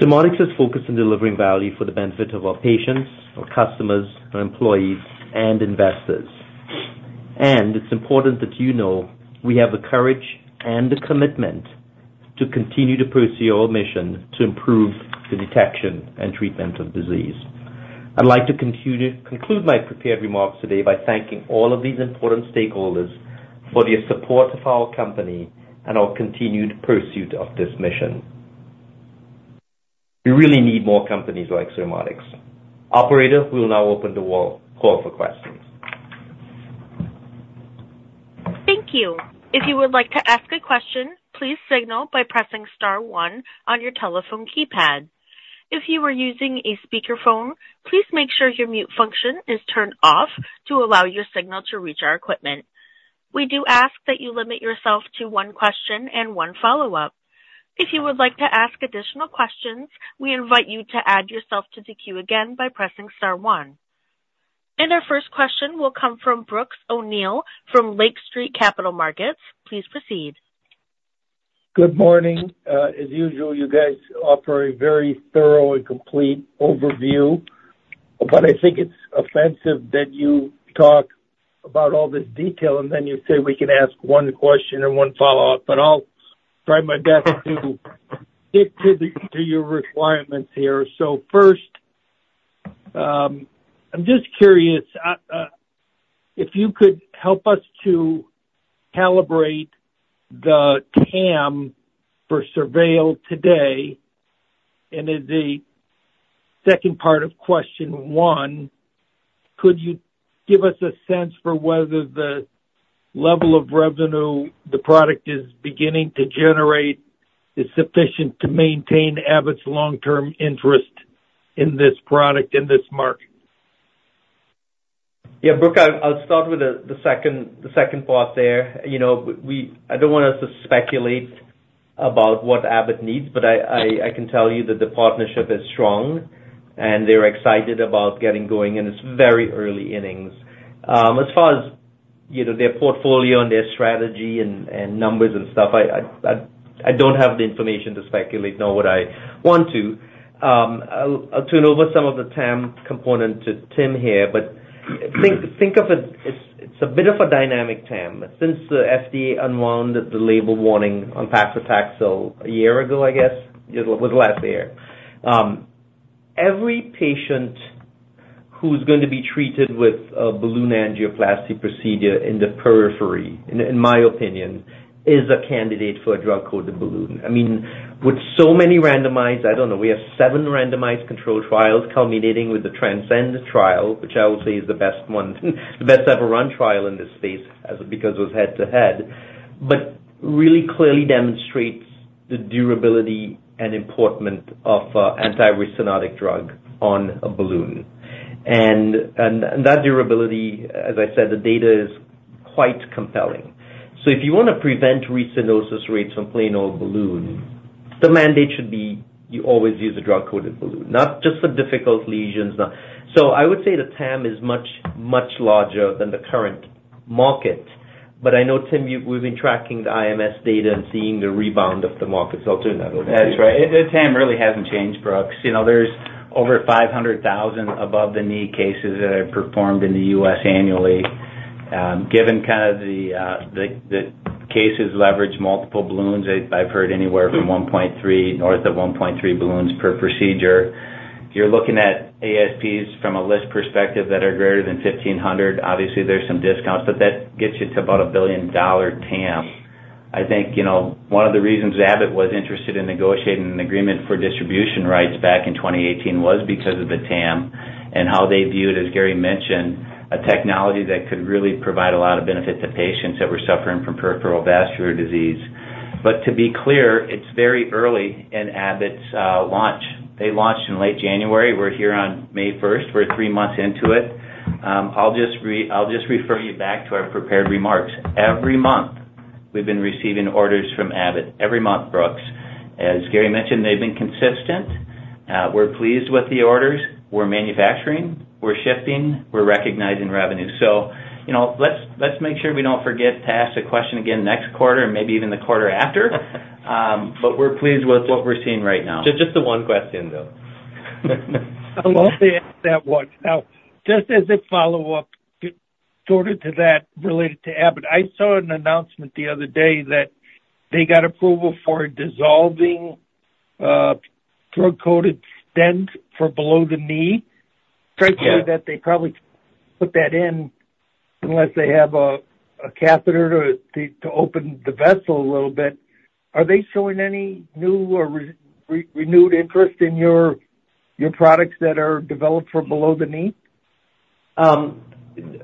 Surmodics is focused on delivering value for the benefit of our patients, our customers, our employees, and investors. It's important that you know we have the courage and the commitment to continue to pursue our mission to improve the detection and treatment of disease. I'd like to conclude my prepared remarks today by thanking all of these important stakeholders for their support of our company and our continued pursuit of this mission. We really need more companies like Surmodics. Operator, we'll now open the call for questions. Thank you. If you would like to ask a question, please signal by pressing star one on your telephone keypad. If you are using a speakerphone, please make sure your mute function is turned off to allow your signal to reach our equipment. We do ask that you limit yourself to one question and one follow-up. If you would like to ask additional questions, we invite you to add yourself to the queue again by pressing star one. Our first question will come from Brooks O'Neil from Lake Street Capital Markets. Please proceed. Good morning. As usual, you guys offer a very thorough and complete overview, but I think it's offensive that you talk about all this detail, and then you say we can ask one question and one follow-up. But I'll try my best to stick to your requirements here. So first, I'm just curious, if you could help us to calibrate the TAM for SurVeil today. And then the second part of question one, could you give us a sense for whether the level of revenue the product is beginning to generate is sufficient to maintain Abbott's long-term interest in this product, in this market? Yeah, Brooks, I'll start with the second part there. You know, we don't want us to speculate about what Abbott needs, but I can tell you that the partnership is strong, and they're excited about getting going, and it's very early innings. As far as, you know, their portfolio and their strategy and numbers and stuff, I don't have the information to speculate, nor would I want to. I'll turn over some of the TAM component to Tim here, but think of it, it's a bit of a dynamic TAM. Since the FDA unwound the label warning on paclitaxel a year ago, I guess, it was last year. Every patient who's going to be treated with a balloon angioplasty procedure in the periphery, in my opinion, is a candidate for a drug-coated balloon. I mean, with so many randomized. I don't know, we have seven randomized control trials, culminating with the TRANSCEND trial, which I will say is the best one, the best ever run trial in this space, as, because it was head-to-head, but really clearly demonstrates the durability and importance of, uh, anti-restenotic drug on a balloon. And that durability, as I said, the data is quite compelling. So if you want to prevent restenosis rates from plain old balloon, the mandate should be you always use a drug-coated balloon, not just for difficult lesions, not. So I would say the TAM is much, much larger than the current market. But I know, Tim, we've been tracking the IMS data and seeing the rebound of the market, so I'll turn that over to you. That's right. The TAM really hasn't changed, Brooks. You know, there's over 500,000 above-the-knee cases that are performed in the U.S. annually. Given kind of the cases leverage multiple balloons, I've heard anywhere from 1.3, north of 1.3 balloons per procedure. If you're looking at ASPs from a list perspective that are greater than 1,500, obviously there's some discounts, but that gets you to about a billion-dollar TAM. I think, you know, one of the reasons Abbott was interested in negotiating an agreement for distribution rights back in 2018 was because of the TAM and how they viewed, as Gary mentioned, a technology that could really provide a lot of benefit to patients that were suffering from peripheral vascular disease. To be clear, it's very early in Abbott's launch. They launched in late January. We're here on May first. We're three months into it. I'll just refer you back to our prepared remarks. Every month, we've been receiving orders from Abbott. Every month, Brooks. As Gary mentioned, they've been consistent. We're pleased with the orders. We're manufacturing, we're shifting, we're recognizing revenue. So, you know, let's, let's make sure we don't forget to ask the question again next quarter and maybe even the quarter after. But we're pleased with what we're seeing right now. Just the one question, though. I'll only ask that one. Now, just as a follow-up sort of to that, related to Abbott, I saw an announcement the other day that they got approval for a dissolving drug-coated stent for below the knee. Yes. Frankly, that they probably put that in unless they have a catheter to open the vessel a little bit. Are they showing any new or renewed interest in your products that are developed for below the knee?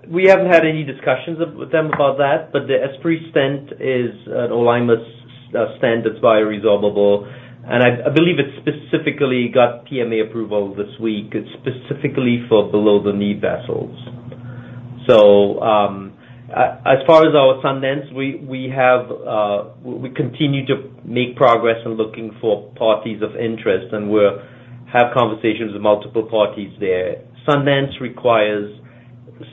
We haven't had any discussions with them about that, but the Esprit stent is an alignment stent that's bioresorbable, and I believe it specifically got PMA approval this week. It's specifically for below the knee vessels. So, as far as our Sundance, we continue to make progress in looking for parties of interest, and we have conversations with multiple parties there. Sundance requires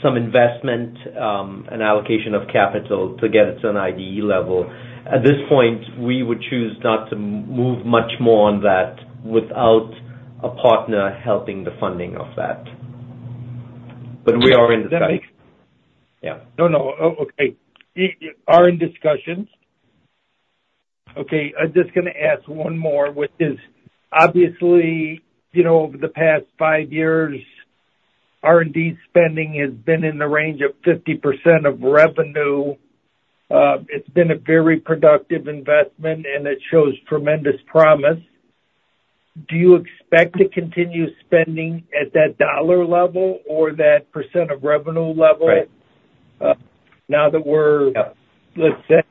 some investment and allocation of capital to get it to an IDE level. At this point, we would choose not to move much more on that without a partner helping the funding of that. But we are in the space. Yeah. No, no. Oh, okay. You are in discussions? Okay, I'm just gonna ask one more, which is, obviously, you know, over the past five years, R&D spending has been in the range of 50% of revenue. It's been a very productive investment, and it shows tremendous promise. Do you expect to continue spending at that dollar level or that percent of revenue level- Right. Now that we're. Yeah. Let's say,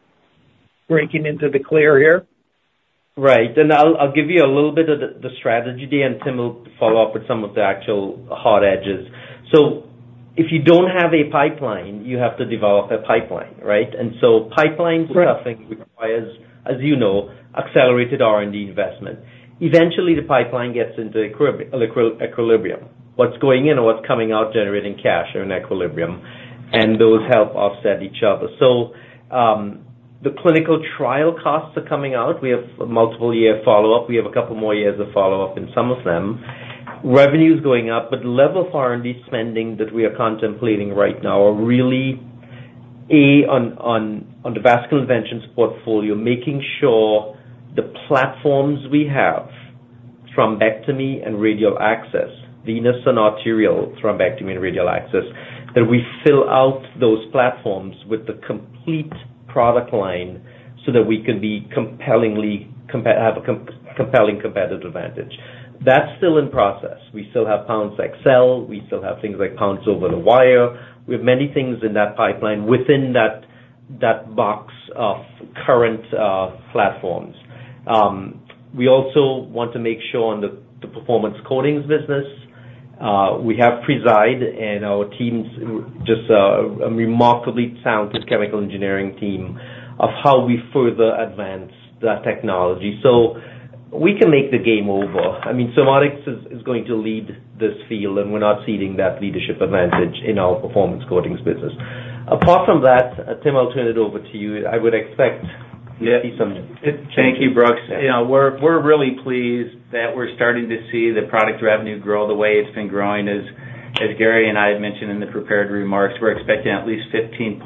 breaking into the clear here? Right. And I'll give you a little bit of the strategy, then. Tim will follow up with some of the actual hard edges. So if you don't have a pipeline, you have to develop a pipeline, right? And so pipelines. Right. Are something which requires, as you know, accelerated R&D investment. Eventually, the pipeline gets into equilibrium. What's going in and what's coming out, generating cash are in equilibrium, and those help offset each other. So, the clinical trial costs are coming out. We have multiple year follow-up. We have a couple more years of follow-up in some of them. Revenue is going up, but the level of R&D spending that we are contemplating right now are really on the Vascular Intervention portfolio, making sure the platforms we have, thrombectomy and radial access, venous and arterial thrombectomy and radial access, that we fill out those platforms with the complete product line so that we can have a compelling competitive advantage. That's still in process. We still have Pounce XL we still have things like Pounce Over the Wire. We have many things in that pipeline within that, that box of current platforms. We also want to make sure on the, the performance coatings business, we have Preside and our teams, just a, a remarkably talented chemical engineering team, of how we further advance that technology. So we can make the game over. I mean, Surmodics is, is going to lead this field, and we're not ceding that leadership advantage in our performance coatings business. Apart from that, Tim, I'll turn it over to you. I would expect to see some- Thank you, Brooks. You know, we're really pleased that we're starting to see the product revenue grow the way it's been growing. As Gary and I had mentioned in the prepared remarks, we're expecting at least $15.5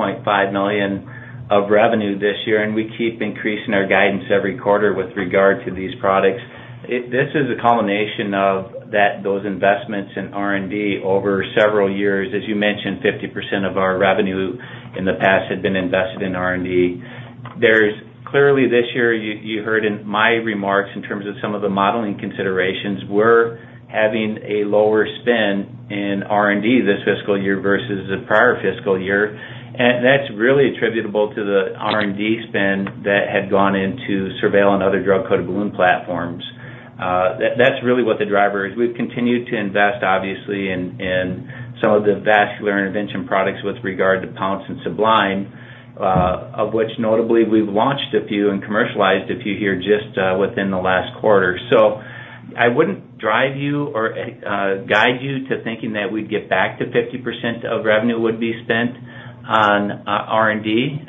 million of revenue this year, and we keep increasing our guidance every quarter with regard to these products. This is a culmination of those investments in R&D over several years. As you mentioned, 50% of our revenue in the past had been invested in R&D. There's clearly, this year, you heard in my remarks in terms of some of the modeling considerations, we're having a lower spend in R&D this fiscal year versus the prior fiscal year, and that's really attributable to the R&D spend that had gone into SurVeil and other drug-coated balloon platforms. That's really what the driver is. We've continued to invest, obviously, in some of the Vascular Intervention products with regard to Pounce and Sublime, of which notably, we've launched a few and commercialized a few here just within the last quarter. So I wouldn't drive you or guide you to thinking that we'd get back to 50% of revenue would be spent on R&D.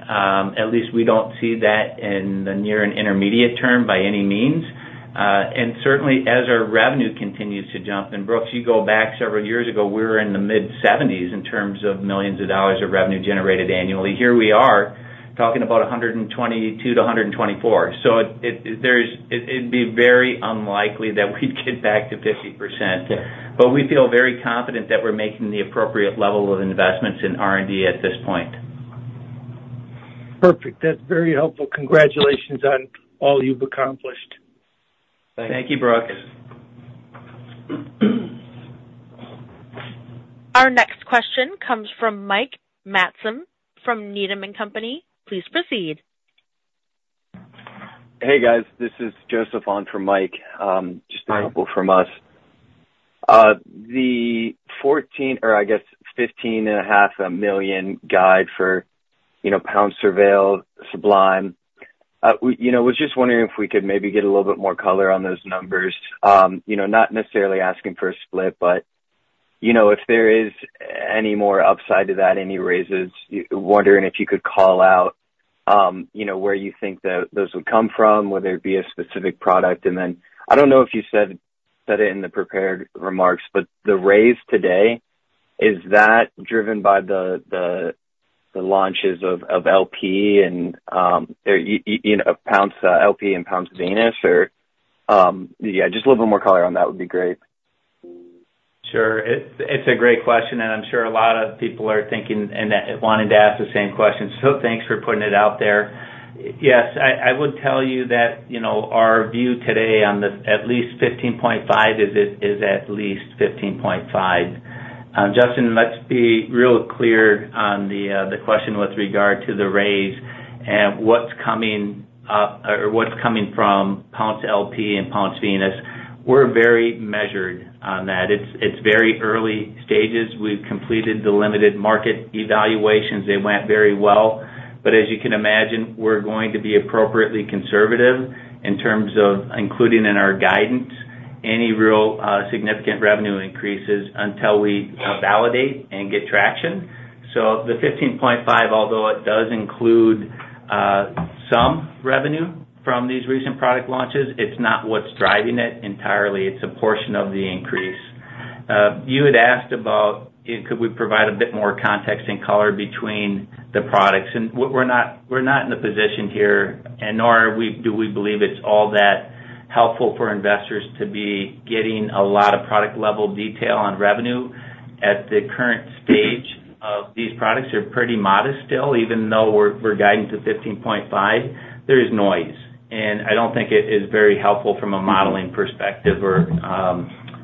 At least we don't see that in the near and intermediate term by any means. And certainly, as our revenue continues to jump, and Brooks, you go back several years ago, we were in the mid-$70 million in terms of revenue generated annually. Here we are, talking about $122 million-$124 million. So it, there is. It'd be very unlikely that we'd get back to 50%. Yeah. But we feel very confident that we're making the appropriate level of investments in R&D at this point. Perfect. That's very helpful. Congratulations on all you've accomplished. Thank you, Brooks. Our next question comes from Mike Matson from Needham & Company. Please proceed. Hey, guys, this is Joseph from Mike. Just a couple from us. The $14 or I guess $15.5 million guide for, you know, Pounce SurVeil Sublime. We, you know, was just wondering if we could maybe get a little bit more color on those numbers. You know, not necessarily asking for a split, but, you know, if there is any more upside to that, any raises, wondering if you could call out, you know, where you think that those would come from, whether it be a specific product. And then I don't know if you said it in the prepared remarks, but the raise today, is that driven by the launches of LP and or you know of Pounce LP and Pounce Venous or. Yeah, just a little more color on that would be great. Sure. It's a great question, and I'm sure a lot of people are thinking and wanting to ask the same question. So thanks for putting it out there. Yes, I would tell you that, you know, our view today on this, at least 15.5, is at least 15.5. Justin, let's be real clear on the question with regard to the raise and what's coming or what's coming from Pounce LP and Pounce Venous. We're very measured on that. It's very early stages. We've completed the limited market evaluations. They went very well. But as you can imagine, we're going to be appropriately conservative in terms of including in our guidance any real significant revenue increases until we validate and get traction. The $15.5, although it does include some revenue from these recent product launches, it's not what's driving it entirely. It's a portion of the increase. You had asked about could we provide a bit more context and color between the products? And we're not, we're not in a position here, and nor are we, do we believe it's all that helpful for investors to be getting a lot of product level detail on revenue. At the current stage of these products, they're pretty modest still, even though we're guiding to $15.5, there is noise, and I don't think it is very helpful from a modeling perspective or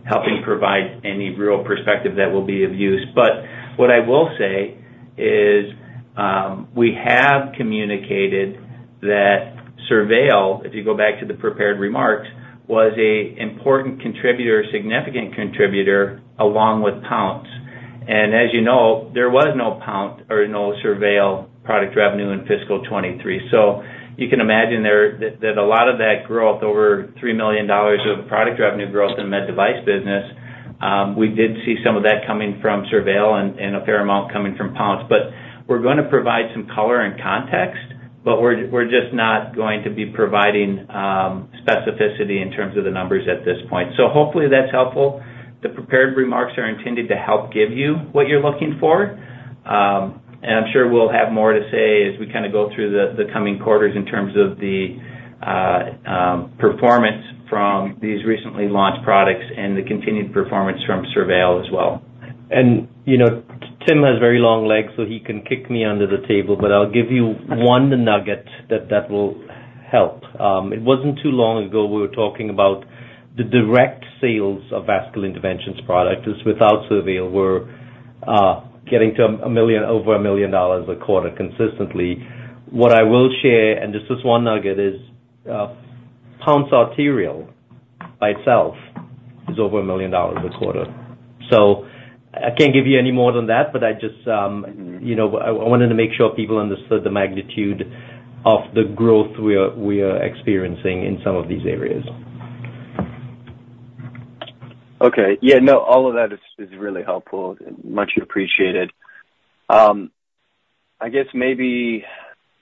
helping provide any real perspective that will be of use. But what I will say is, we have communicated that SurVeil, if you go back to the prepared remarks, was an important contributor or significant contributor along with Pounce. And as you know, there was no Pounce or no SurVeil product revenue in fiscal 2023. So you can imagine there that a lot of that growth, over $3 million of product revenue growth in the med device business, we did see some of that coming from SurVeil and a fair amount coming from Pounce. But we're gonna provide some color and context, but we're just not going to be providing specificity in terms of the numbers at this point. So hopefully that's helpful. The prepared remarks are intended to help give you what you're looking for, and I'm sure we'll have more to say as we kind of go through the coming quarters in terms of the performance from these recently launched products and the continued performance from SurVeil as well. You know, Tim has very long legs, so he can kick me under the table, but I'll give you one nugget that, that will help. It wasn't too long ago, we were talking about the direct sales of Vascular Interventions product. Just without SurVeil, we're getting to $1 million, over $1 million a quarter consistently. What I will share, and just this one nugget, is Pounce Arterial by itself is over $1 million a quarter. So I can't give you any more than that, but I just, you know, I, I wanted to make sure people understood the magnitude of the growth we are, we are experiencing in some of these areas. Okay. Yeah, no, all of that is really helpful and much appreciated. I guess maybe,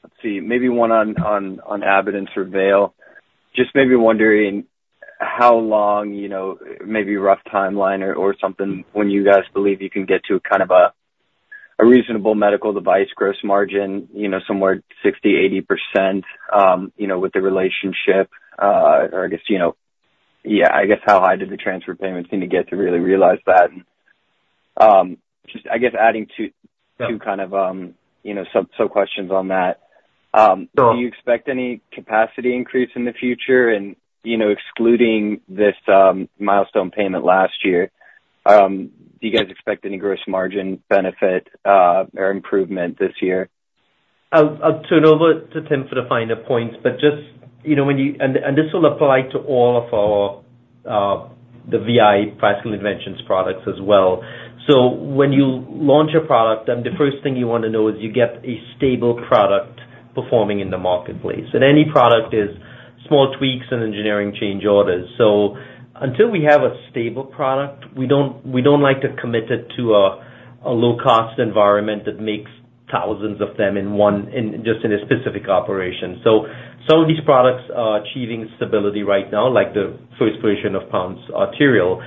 let's see, maybe one on Abbott and SurVeil. Just maybe wondering how long, you know, maybe rough timeline or something, when you guys believe you can get to kind of a reasonable medical device gross margin, you know, somewhere 60%-80%, you know, with the relationship, or I guess, you know. Yeah, I guess how high do the transfer payments need to get to really realize that? Just, I guess adding two. Yeah. Two kind of, you know, sub so questions on that. Sure. Do you expect any capacity increase in the future? And, you know, excluding this, milestone payment last year, do you guys expect any gross margin benefit, or improvement this year? I'll turn over to Tim for the finer points, but just, you know, when you. This will apply to all of our, the VI, Vascular Interventions products as well. So when you launch a product, then the first thing you want to know is you get a stable product performing in the marketplace. And any product is small tweaks and engineering change orders. So until we have a stable product, we don't like to commit it to a low-cost environment that makes thousands of them in one, just in a specific operation. So some of these products are achieving stability right now, like the first version of Pounce Arterial.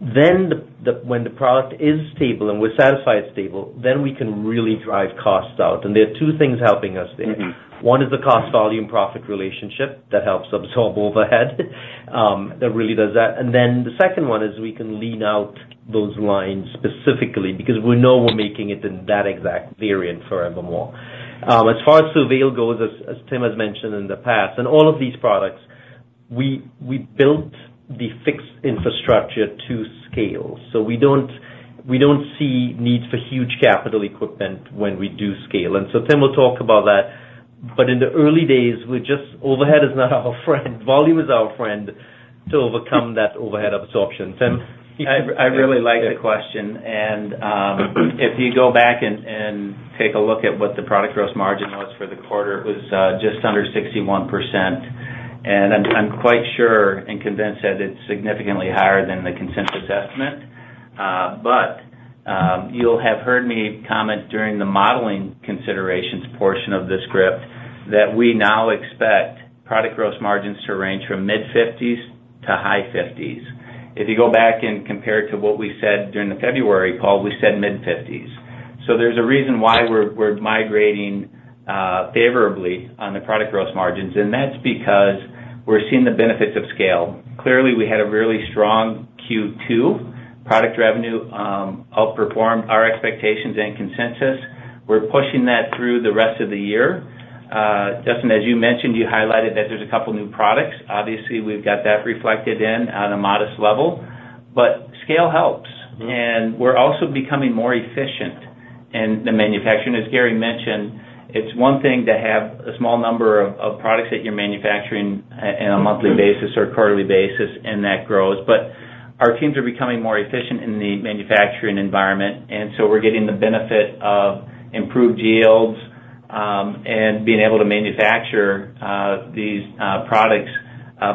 Then when the product is stable and we're satisfied it's stable, then we can really drive costs out. And there are two things helping us there. Mm-hmm. One is the cost, volume, profit relationship that helps absorb overhead, that really does that. And then the second one is we can lean out those lines specifically because we know we're making it in that exact variant forevermore. As far as SurVeil goes, as Tim has mentioned in the past, and all of these products we built the fixed infrastructure to scale, so we don't see need for huge capital equipment when we do scale. And so Tim will talk about that. But in the early days, we're just, overhead is not our friend. Volume is our friend to overcome that overhead absorption. Tim? I really like the question, and if you go back and take a look at what the product gross margin was for the quarter, it was just under 61%. And I'm quite sure and convinced that it's significantly higher than the consensus estimate. But you'll have heard me comment during the modeling considerations portion of the script that we now expect product gross margins to range from mid-fifties to high fifties. If you go back and compare it to what we said during the February call, we said mid-fifties. So there's a reason why we're migrating favorably on the product gross margins, and that's because we're seeing the benefits of scale. Clearly, we had a really strong Q2, product revenue outperformed our expectations and consensus. We're pushing that through the rest of the year. Justin, as you mentioned, you highlighted that there's a couple new products. Obviously, we've got that reflected in on a modest level, but scale helps. And we're also becoming more efficient in the manufacturing. As Gary mentioned, it's one thing to have a small number of products that you're manufacturing on a monthly basis or a quarterly basis, and that grows, but our teams are becoming more efficient in the manufacturing environment, and so we're getting the benefit of improved yields, and being able to manufacture these products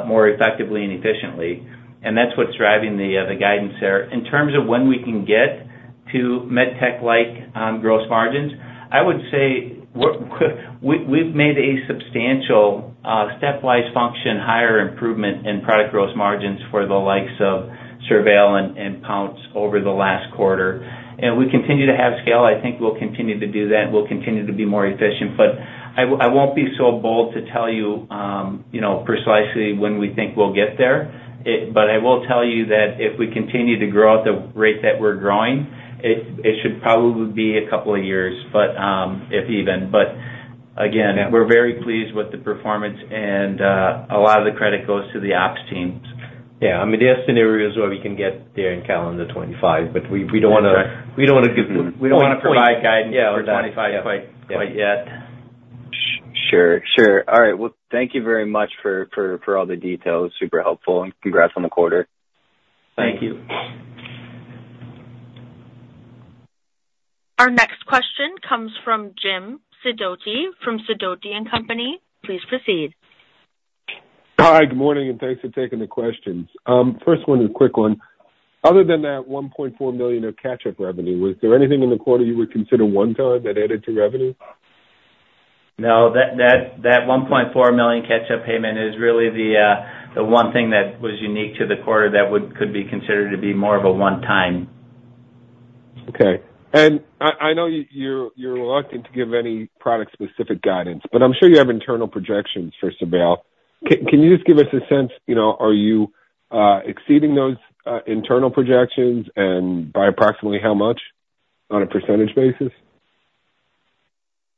more effectively and efficiently, and that's what's driving the guidance there. In terms of when we can get to medtech-like gross margins, I would say we've made a substantial stepwise function higher improvement in product gross margins for the likes of SurVeil and Pounce over the last quarter. We continue to have scale. I think we'll continue to do that, and we'll continue to be more efficient. But I won't be so bold to tell you, you know, precisely when we think we'll get there. But I will tell you that if we continue to grow at the rate that we're growing, it should probably be a couple of years, but if even. But again, we're very pleased with the performance, and a lot of the credit goes to the ops teams. Yeah, I mean, there are scenarios where we can get there in calendar 2025, but we don't want to. That's right. We don't want to give. We don't want to provide guidance for 25 quite, quite yet. Sure, sure. All right. Well, thank you very much for all the details. Super helpful, and congrats on the quarter. Thank you. Thank you. Our next question comes from Jim Sidoti, from Sidoti & Company. Please proceed. Hi, good morning, and thanks for taking the questions. First one, a quick one. Other than that $1.4 million of catch-up revenue, was there anything in the quarter you would consider one time that added to revenue? No, that $1.4 million catch-up payment is really the one thing that was unique to the quarter that would, could be considered to be more of a one-time. Okay. And I know you, you're reluctant to give any product-specific guidance, but I'm sure you have internal projections for SurVeil. Can you just give us a sense, you know, are you exceeding those internal projections, and by approximately how much on a percentage basis?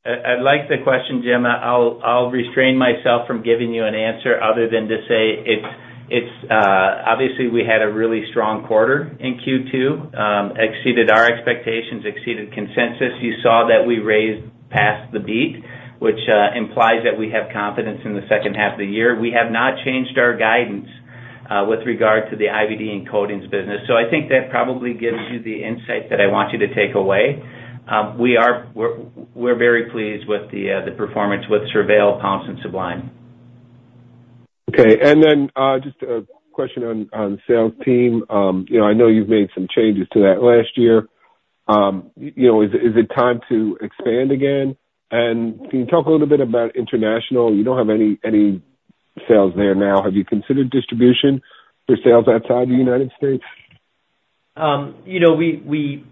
I like the question, Jim. I'll restrain myself from giving you an answer other than to say it's obviously we had a really strong quarter in Q2, exceeded our expectations, exceeded consensus. You saw that we raised past the beat, which implies that we have confidence in the second half of the year. We have not changed our guidance with regard to the IVD and coatings business. So I think that probably gives you the insight that I want you to take away. We're very pleased with the performance with SurVeil, Pounce and Sublime. Okay. And then, just a question on the sales team. You know, I know you've made some changes to that last year. You know, is it time to expand again? And can you talk a little bit about international? You don't have any sales there now. Have you considered distribution for sales outside the United States? You know, we.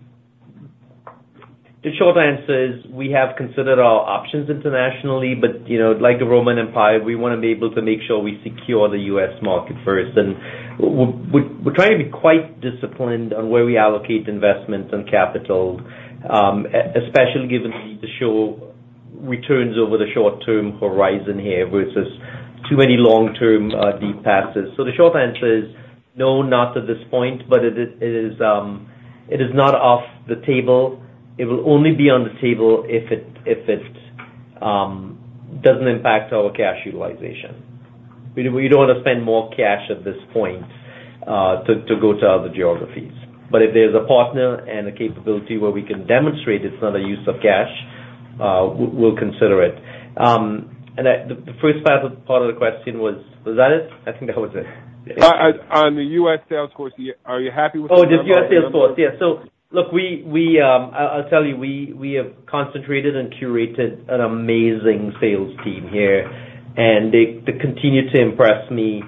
The short answer is, we have considered all options internationally, but, you know, like the Roman Empire, we want to be able to make sure we secure the U.S. market first. And we're trying to be quite disciplined on where we allocate investments and capital, especially given the need to show returns over the short-term horizon here, versus too many long-term, deep passes. So the short answer is no, not at this point, but it is, it is, it is not off the table. It will only be on the table if it, if it, doesn't impact our cash utilization. We don't want to spend more cash at this point, to go to other geographies. But if there's a partner and a capability where we can demonstrate it's not a use of cash, we'll consider it. and the first part of the question was. Was that it? I think that was it. On the U.S. sales force, are you happy with. Oh, just U.S. sales force? Yes. So look, I'll tell you, we have concentrated and curated an amazing sales team here, and they continue to impress me.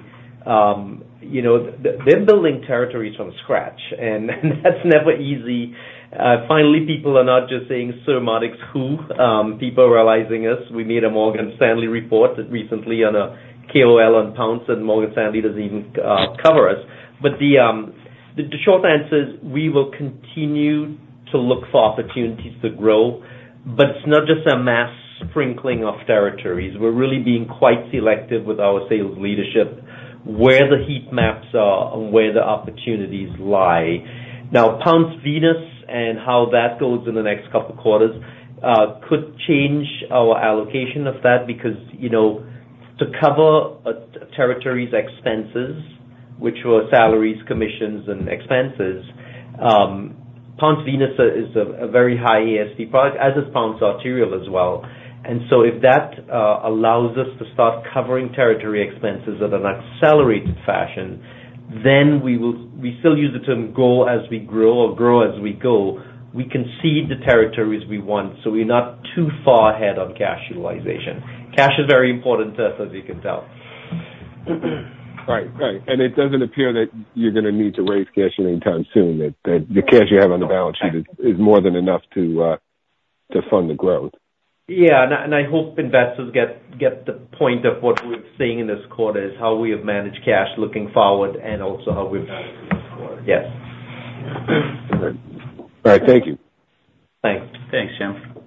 You know, they're building territories from scratch, and that's never easy. Finally, people are not just saying, "Surmodics who?" People are realizing us. We made a Morgan Stanley report recently on a KOL on Pounce, and Morgan Stanley doesn't even cover us. But the short answer is we will continue to look for opportunities to grow, but it's not just a mass sprinkling of territories. We're really being quite selective with our sales leadership, where the heat maps are and where the opportunities lie. Now, Pounce Venous and how that goes in the next couple of quarters could change our allocation of that, because, you know, to cover a territory's expenses, which were salaries, commissions, and expenses, Pounce Venous is a very high ASP product, as is Pounce Arterial as well. And so if that allows us to start covering territory expenses at an accelerated fashion, then we will. We still use the term go as we grow or grow as we go. We can see the territories we want, so we're not too far ahead on cash utilization. Cash is very important to us, as you can tell. Right. Right. And it doesn't appear that you're gonna need to raise cash anytime soon, that the cash you have on the balance sheet is more than enough to fund the growth. Yeah, and I hope investors get the point of what we're seeing in this quarter, is how we have managed cash looking forward and also how we've managed it before. Yes. All right. Thank you. Thanks. Thanks, Jim.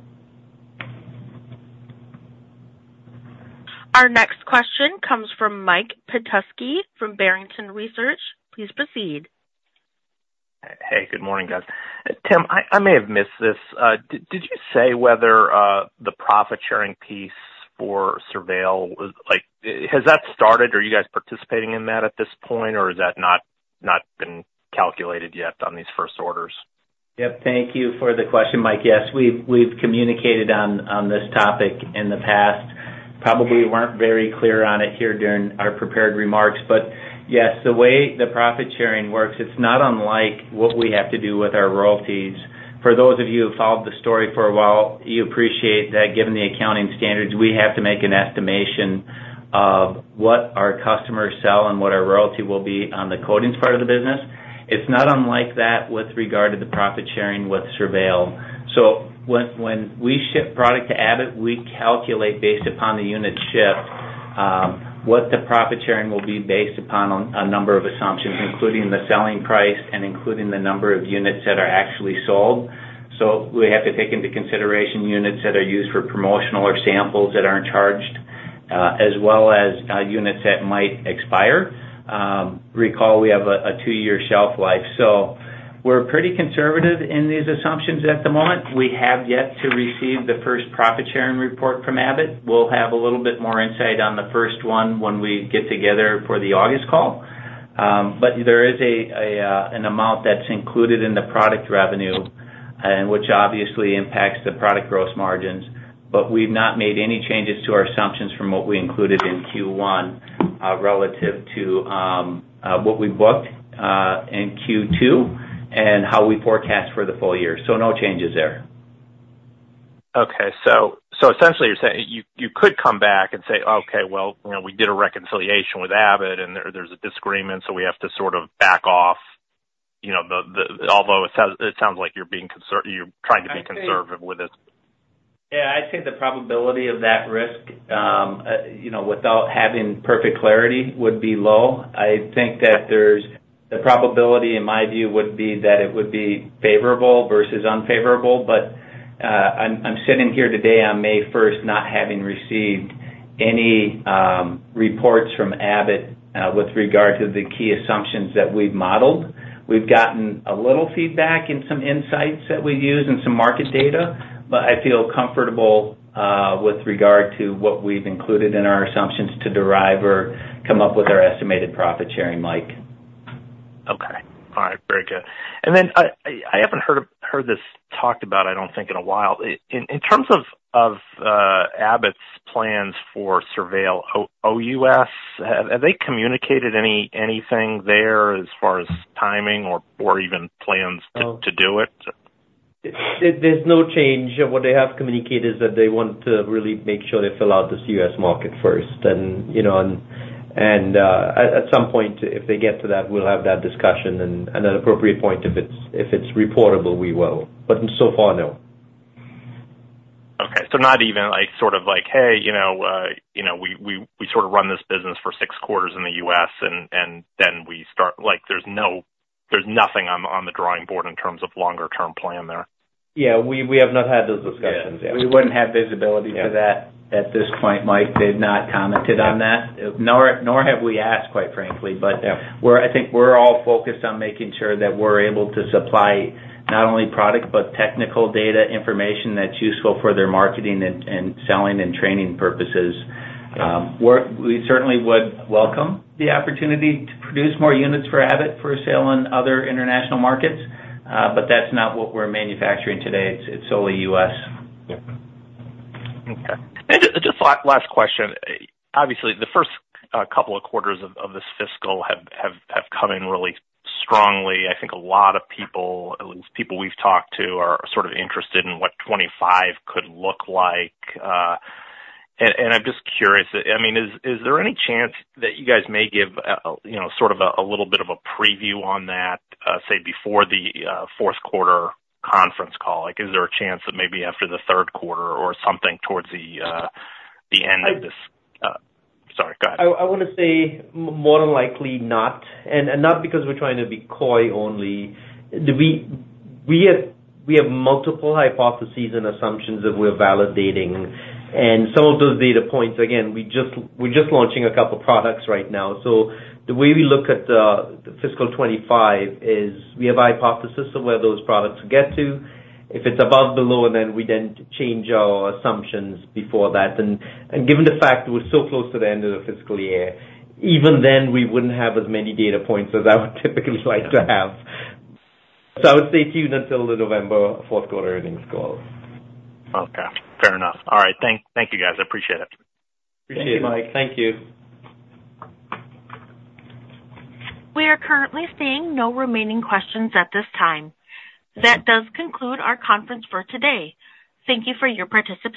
Our next question comes from Mike Petusky from Barrington Research. Please proceed. Hey, good morning, guys. Tim, I may have missed this. Did you say whether the profit-sharing piece for SurVeil was like? Has that started? Are you guys participating in that at this point, or has that not been calculated yet on these first orders? Yep, thank you for the question, Mike. Yes, we've communicated on this topic in the past. Probably weren't very clear on it here during our prepared remarks, but yes, the way the profit sharing works, it's not unlike what we have to do with our royalties. For those of you who've followed the story for a while, you appreciate that given the accounting standards, we have to make an estimation of what our customers sell and what our royalty will be on the coatings part of the business. It's not unlike that with regard to the profit sharing with SurVeil. So when we ship product to Abbott, we calculate based upon the unit shipped, what the profit sharing will be based upon a number of assumptions, including the selling price and including the number of units that are actually sold. So we have to take into consideration units that are used for promotional or samples that aren't charged, as well as units that might expire. Recall, we have a two-year shelf life, so we're pretty conservative in these assumptions at the moment. We have yet to receive the first profit-sharing report from Abbott. We'll have a little bit more insight on the first one when we get together for the August call. But there is an amount that's included in the product revenue, and which obviously impacts the product gross margins. But we've not made any changes to our assumptions from what we included in Q1, relative to what we booked in Q2 and how we forecast for the full year. So no changes there. Okay, so essentially, you're saying you could come back and say, "Okay, well, you know, we did a reconciliation with Abbott, and there's a disagreement, so we have to sort of back off," you know, although it sounds like you're being conservative, you're trying to be conservative with this. Yeah, I'd say the probability of that risk, you know, without having perfect clarity, would be low. I think that there's. The probability, in my view, would be that it would be favorable versus unfavorable, but, I'm, I'm sitting here today on May first, not having received any, reports from Abbott, with regard to the key assumptions that we've modeled. We've gotten a little feedback and some insights that we've used and some market data, but I feel comfortable, with regard to what we've included in our assumptions to derive or come up with our estimated profit sharing, Mike. Okay. All right, very good. And then, I haven't heard this talked about, I don't think, in a while. In terms of Abbott's plans for SurVeil OUS, have they communicated anything there as far as timing or even plans to do it? There's no change. What they have communicated is that they want to really make sure they fill out this U.S. market first. And, you know, at some point, if they get to that, we'll have that discussion, and at an appropriate point, if it's reportable, we will. But so far, no. Okay. So not even like, sort of like, "Hey, you know, you know, we sort of run this business for six quarters in the U.S., and then we start. "Like, there's no—there's nothing on the drawing board in terms of longer-term plan there? Yeah, we have not had those discussions. Yeah, we wouldn't have visibility to that at this point, Mike. They've not commented on that, nor have we asked, quite frankly. Yeah. But I think we're all focused on making sure that we're able to supply not only product, but technical data information that's useful for their marketing and selling and training purposes. We certainly would welcome the opportunity to produce more units for Abbott for sale in other international markets, but that's not what we're manufacturing today. It's only U.S. Yeah. Okay. And just last question. Obviously, the first couple of quarters of this fiscal have come in really strongly. I think a lot of people, at least people we've talked to, are sort of interested in what 25 could look like, and I'm just curious. I mean, is there any chance that you guys may give, you know, sort of a little bit of a preview on that, say, before the fourth quarter conference call? Like, is there a chance that maybe after the third quarter or something towards the end of this sorry, go ahead. I wanna say more than likely not, and not because we're trying to be coy only. We have multiple hypotheses and assumptions that we're validating, and some of those data points, again, we're just launching a couple products right now. So the way we look at the fiscal 25 is we have hypotheses of where those products get to. If it's above, below, then we change our assumptions before that. And given the fact that we're so close to the end of the fiscal year, even then, we wouldn't have as many data points as I would typically like to have. So I would say tune in until the November fourth-quarter earnings call. Okay, fair enough. All right. Thank you, guys. I appreciate it. Appreciate it, Mike. Thank you. We are currently seeing no remaining questions at this time. That does conclude our conference for today. Thank you for your participation.